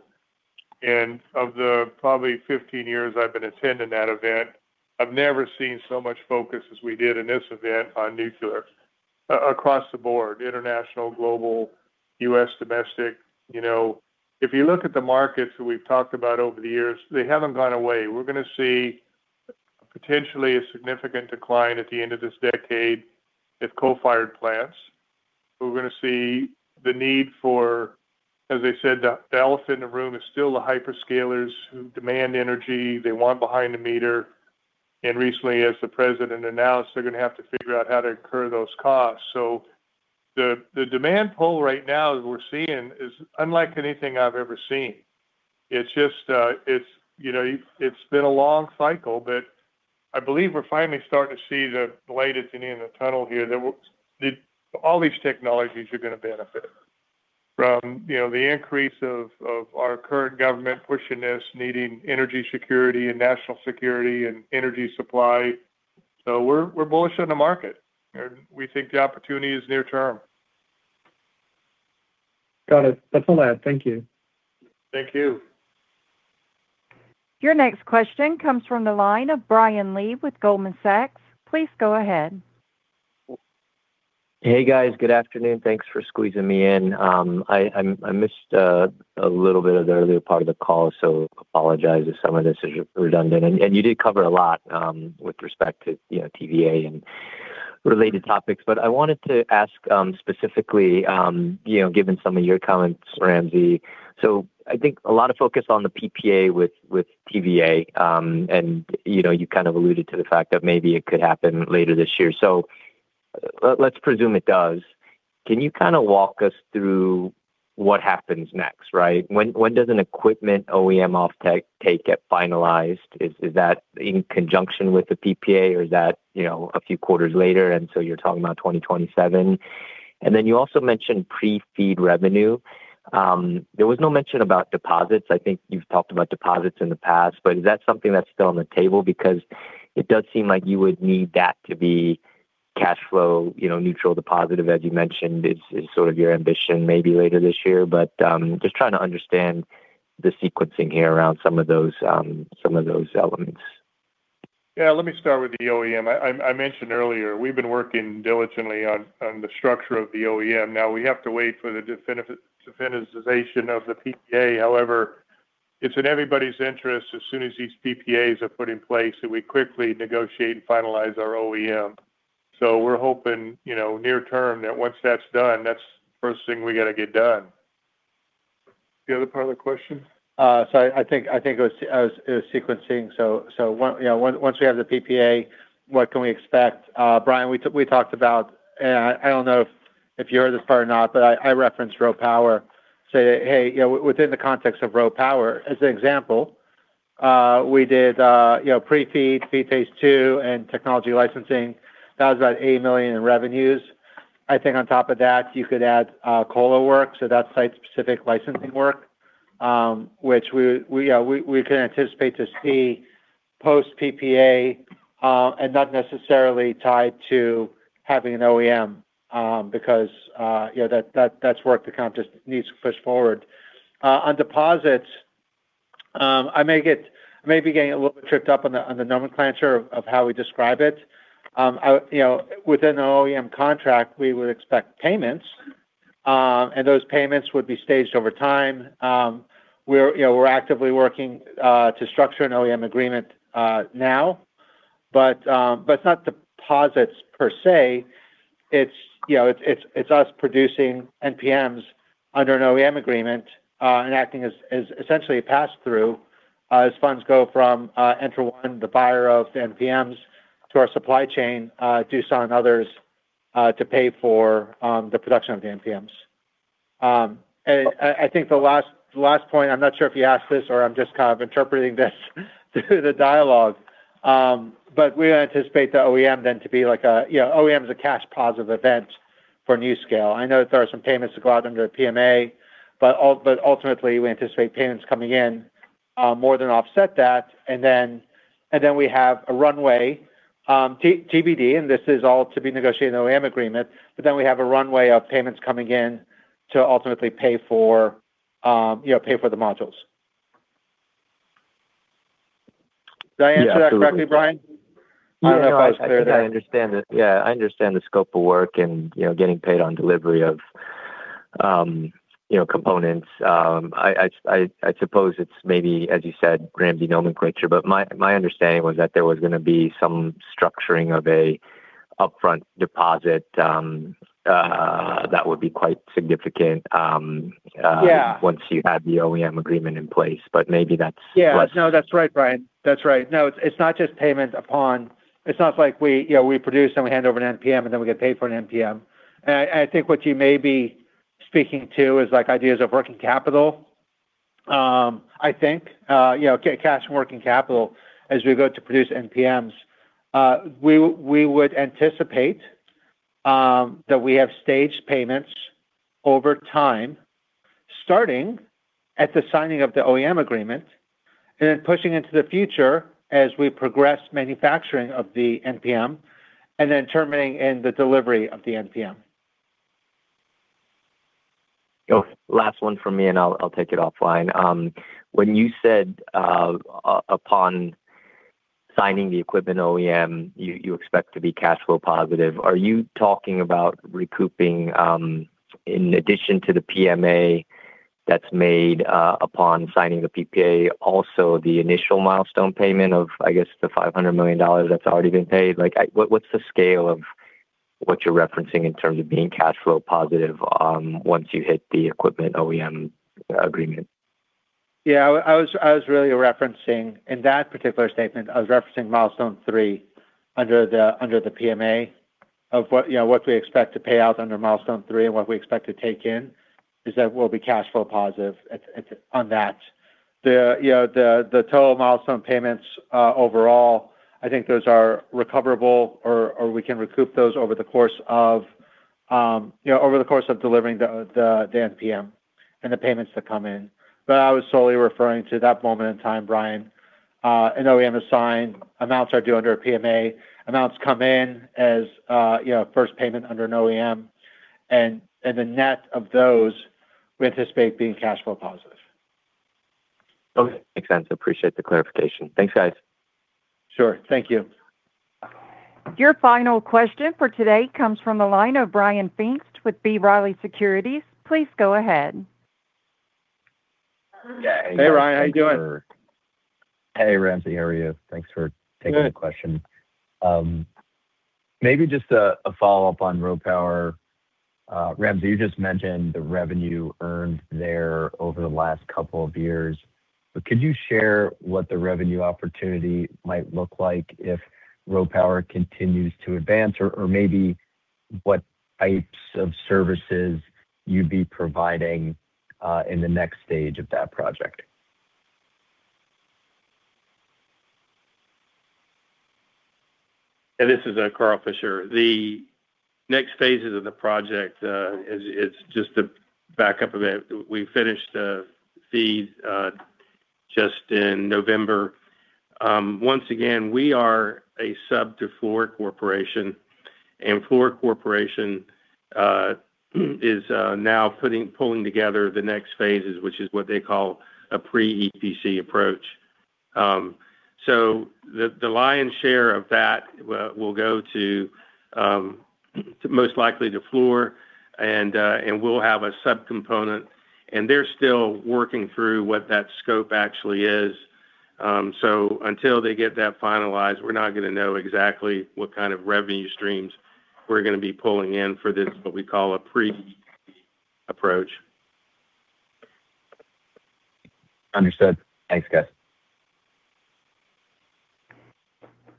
Of the probably 15 years I've been attending that event, I've never seen so much focus as we did in this event on nuclear across the board, international, global, U.S., domestic. You know, if you look at the markets that we've talked about over the years, they haven't gone away. We're gonna see potentially a significant decline at the end of this decade of coal-fired plants. We're gonna see the need for, as I said, the elephant in the room is still the hyperscalers who demand energy. They want behind the meter. Recently, as the president announced, they're gonna have to figure out how to incur those costs. The demand pull right now that we're seeing is unlike anything I've ever seen. It's just, you know, It's been a long cycle, but I believe we're finally starting to see the light at the end of the tunnel here that all these technologies are gonna benefit from, you know, the increase of our current government pushing this, needing energy security and national security and energy supply. We're bullish on the market, and we think the opportunity is near term. Got it. That's all I have. Thank you. Thank you. Your next question comes from the line of Brian Lee with Goldman Sachs. Please go ahead. Hey, guys. Good afternoon. Thanks for squeezing me in. I missed a little bit of the earlier part of the call, so apologize if some of this is redundant. And you did cover a lot, with respect to, you know, TVA and related topics. But I wanted to ask, specifically, you know, given some of your comments, Ramsey. I think a lot of focus on the PPA with TVA, and, you know, you kind of alluded to the fact that maybe it could happen later this year. Let's presume it does. Can you kinda walk us through what happens next, right? When does an equipment OEM off take get finalized? Is that in conjunction with the PPA or is that, you know, a few quarters later, and so you're talking about 2027? You also mentioned pre-FEED revenue. There was no mention about deposits. I think you've talked about deposits in the past, is that something that's still on the table? It does seem like you would need that to be cashflow, you know, neutral to positive, as you mentioned, is sort of your ambition maybe later this year. Just trying to understand the sequencing here around some of those elements. Yeah. Let me start with the OEM. I mentioned earlier, we've been working diligently on the structure of the OEM. Now, we have to wait for the definitization of the PPA. However, it's in everybody's interest as soon as these PPAs are put in place that we quickly negotiate and finalize our OEM. We're hoping, you know, near term that once that's done, that's first thing we gotta get done. The other part of the question? I think it was sequencing. You know, once we have the PPA, what can we expect? Brian, we talked about, and I don't know if you heard this part or not, but I referenced RoPower. You know, within the context of RoPower, as an example, we did, you know, pre-FEED, FEED phase II and technology licensing. That was about $80 million in revenues. I think on top of that, you could add COLA work, so that's site-specific licensing work, which we can anticipate to see post PPA, and not necessarily tied to having an OEM, because, you know, that's work the company just needs to push forward. On deposits, I may be getting a little bit tripped up on the nomenclature of how we describe it. You know, within an OEM contract, we would expect payments. Those payments would be staged over time. We're, you know, we're actively working to structure an OEM agreement now. It's not deposits per se. It's, you know, it's us producing NPMs under an OEM agreement and acting as essentially a pass-through as funds go from ENTRA1, the buyer of NPMs, to our supply chain to some others to pay for the production of the NPMs. I think the last point, I'm not sure if you asked this or I'm just kind of interpreting this through the dialogue. We anticipate the OEM then to be like a, you know, OEM is a cash positive event for NuScale. I know there are some payments that go out under a PMA, but ultimately, we anticipate payments coming in more than offset that. Then we have a runway, TBD, and this is all to be negotiated in the OEM agreement. We have a runway of payments coming in to ultimately pay for, you know, pay for the modules. Did I answer that correctly, Brian? I don't know if I was clear there. I understand it. Yeah, I understand the scope of work and, you know, getting paid on delivery of, you know, components. I suppose it's maybe, as you said, Ramsey nomenclature, but my understanding was that there was gonna be some structuring of a upfront deposit that would be quite significant. Yeah once you have the OEM agreement in place, but maybe that's what. Yeah. No, that's right, Brian. That's right. No, it's not just payment. It's not like we, you know, we produce and we hand over an NPM and then we get paid for an NPM. I think what you may be speaking to is like ideas of working capital. I think, you know, cash working capital as we go to produce NPMs. We would anticipate that we have staged payments over time, starting at the signing of the OEM agreement and then pushing into the future as we progress manufacturing of the NPM and then terminating in the delivery of the NPM. Last one from me, and I'll take it offline. When you said upon signing the equipment OEM, you expect to be cashflow positive, are you talking about recouping, in addition to the PMA that's made upon signing the PPA, also the initial milestone payment of, I guess the $500 million that's already been paid? What's the scale of what you're referencing in terms of being cashflow positive, once you hit the equipment OEM agreement? Yeah. I was really referencing In that particular statement, I was referencing milestone three under the PMA of what, you know, what we expect to pay out under milestone three and what we expect to take in, is that we'll be cashflow positive on that. The, you know, the total milestone payments overall, I think those are recoverable or we can recoup those over the course of, you know, over the course of delivering the NPM and the payments that come in. I was solely referring to that moment in time, Brian. An OEM is signed, amounts are due under a PMA, amounts come in as, you know, first payment under an OEM. The net of those we anticipate being cash flow positive. Okay. Makes sense. I appreciate the clarification. Thanks, guys. Sure. Thank you. Your final question for today comes from the line of Ryan Pfingst with B. Riley Securities. Please go ahead. Hey, Brian. How you doing? Hey, Ramsey. How are you? Thanks for taking the question. Maybe just a follow-up on RoPower. Ramsey, you just mentioned the revenue earned there over the last couple of years. Could you share what the revenue opportunity might look like if RoPower continues to advance? Maybe what types of services you'd be providing in the next stage of that project? This is Carl Fisher. The next phases of the project is just to back up a bit. We finished the FEED just in November. Once again, we are a sub to Fluor Corporation, and Fluor Corporation is now pulling together the next phases, which is what they call a pre-EPC approach. The lion's share of that will go to most likely to Fluor and we'll have a sub-component. They're still working through what that scope actually is. Until they get that finalized, we're not gonna know exactly what kind of revenue streams we're gonna be pulling in for this, what we call a pre-EPC approach. Understood. Thanks, guys.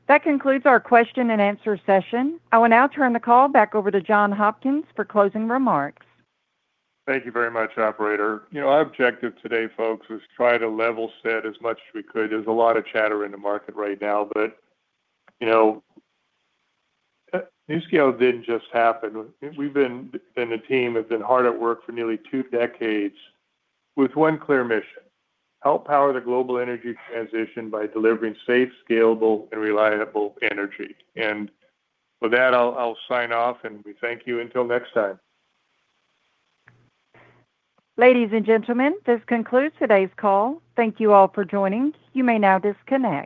That concludes our question and answer session. I will now turn the call back over to John Hopkins for closing remarks. Thank you very much, operator. You know, our objective today, folks, was try to level set as much as we could. There's a lot of chatter in the market right now, you know, NuScale didn't just happen. We've been, and the team have been hard at work for nearly two decades with one clear mission: help power the global energy transition by delivering safe, scalable, and reliable energy. With that, I'll sign off, and we thank you. Until next time. Ladies and gentlemen, this concludes today's call. Thank you all for joining. You may now disconnect.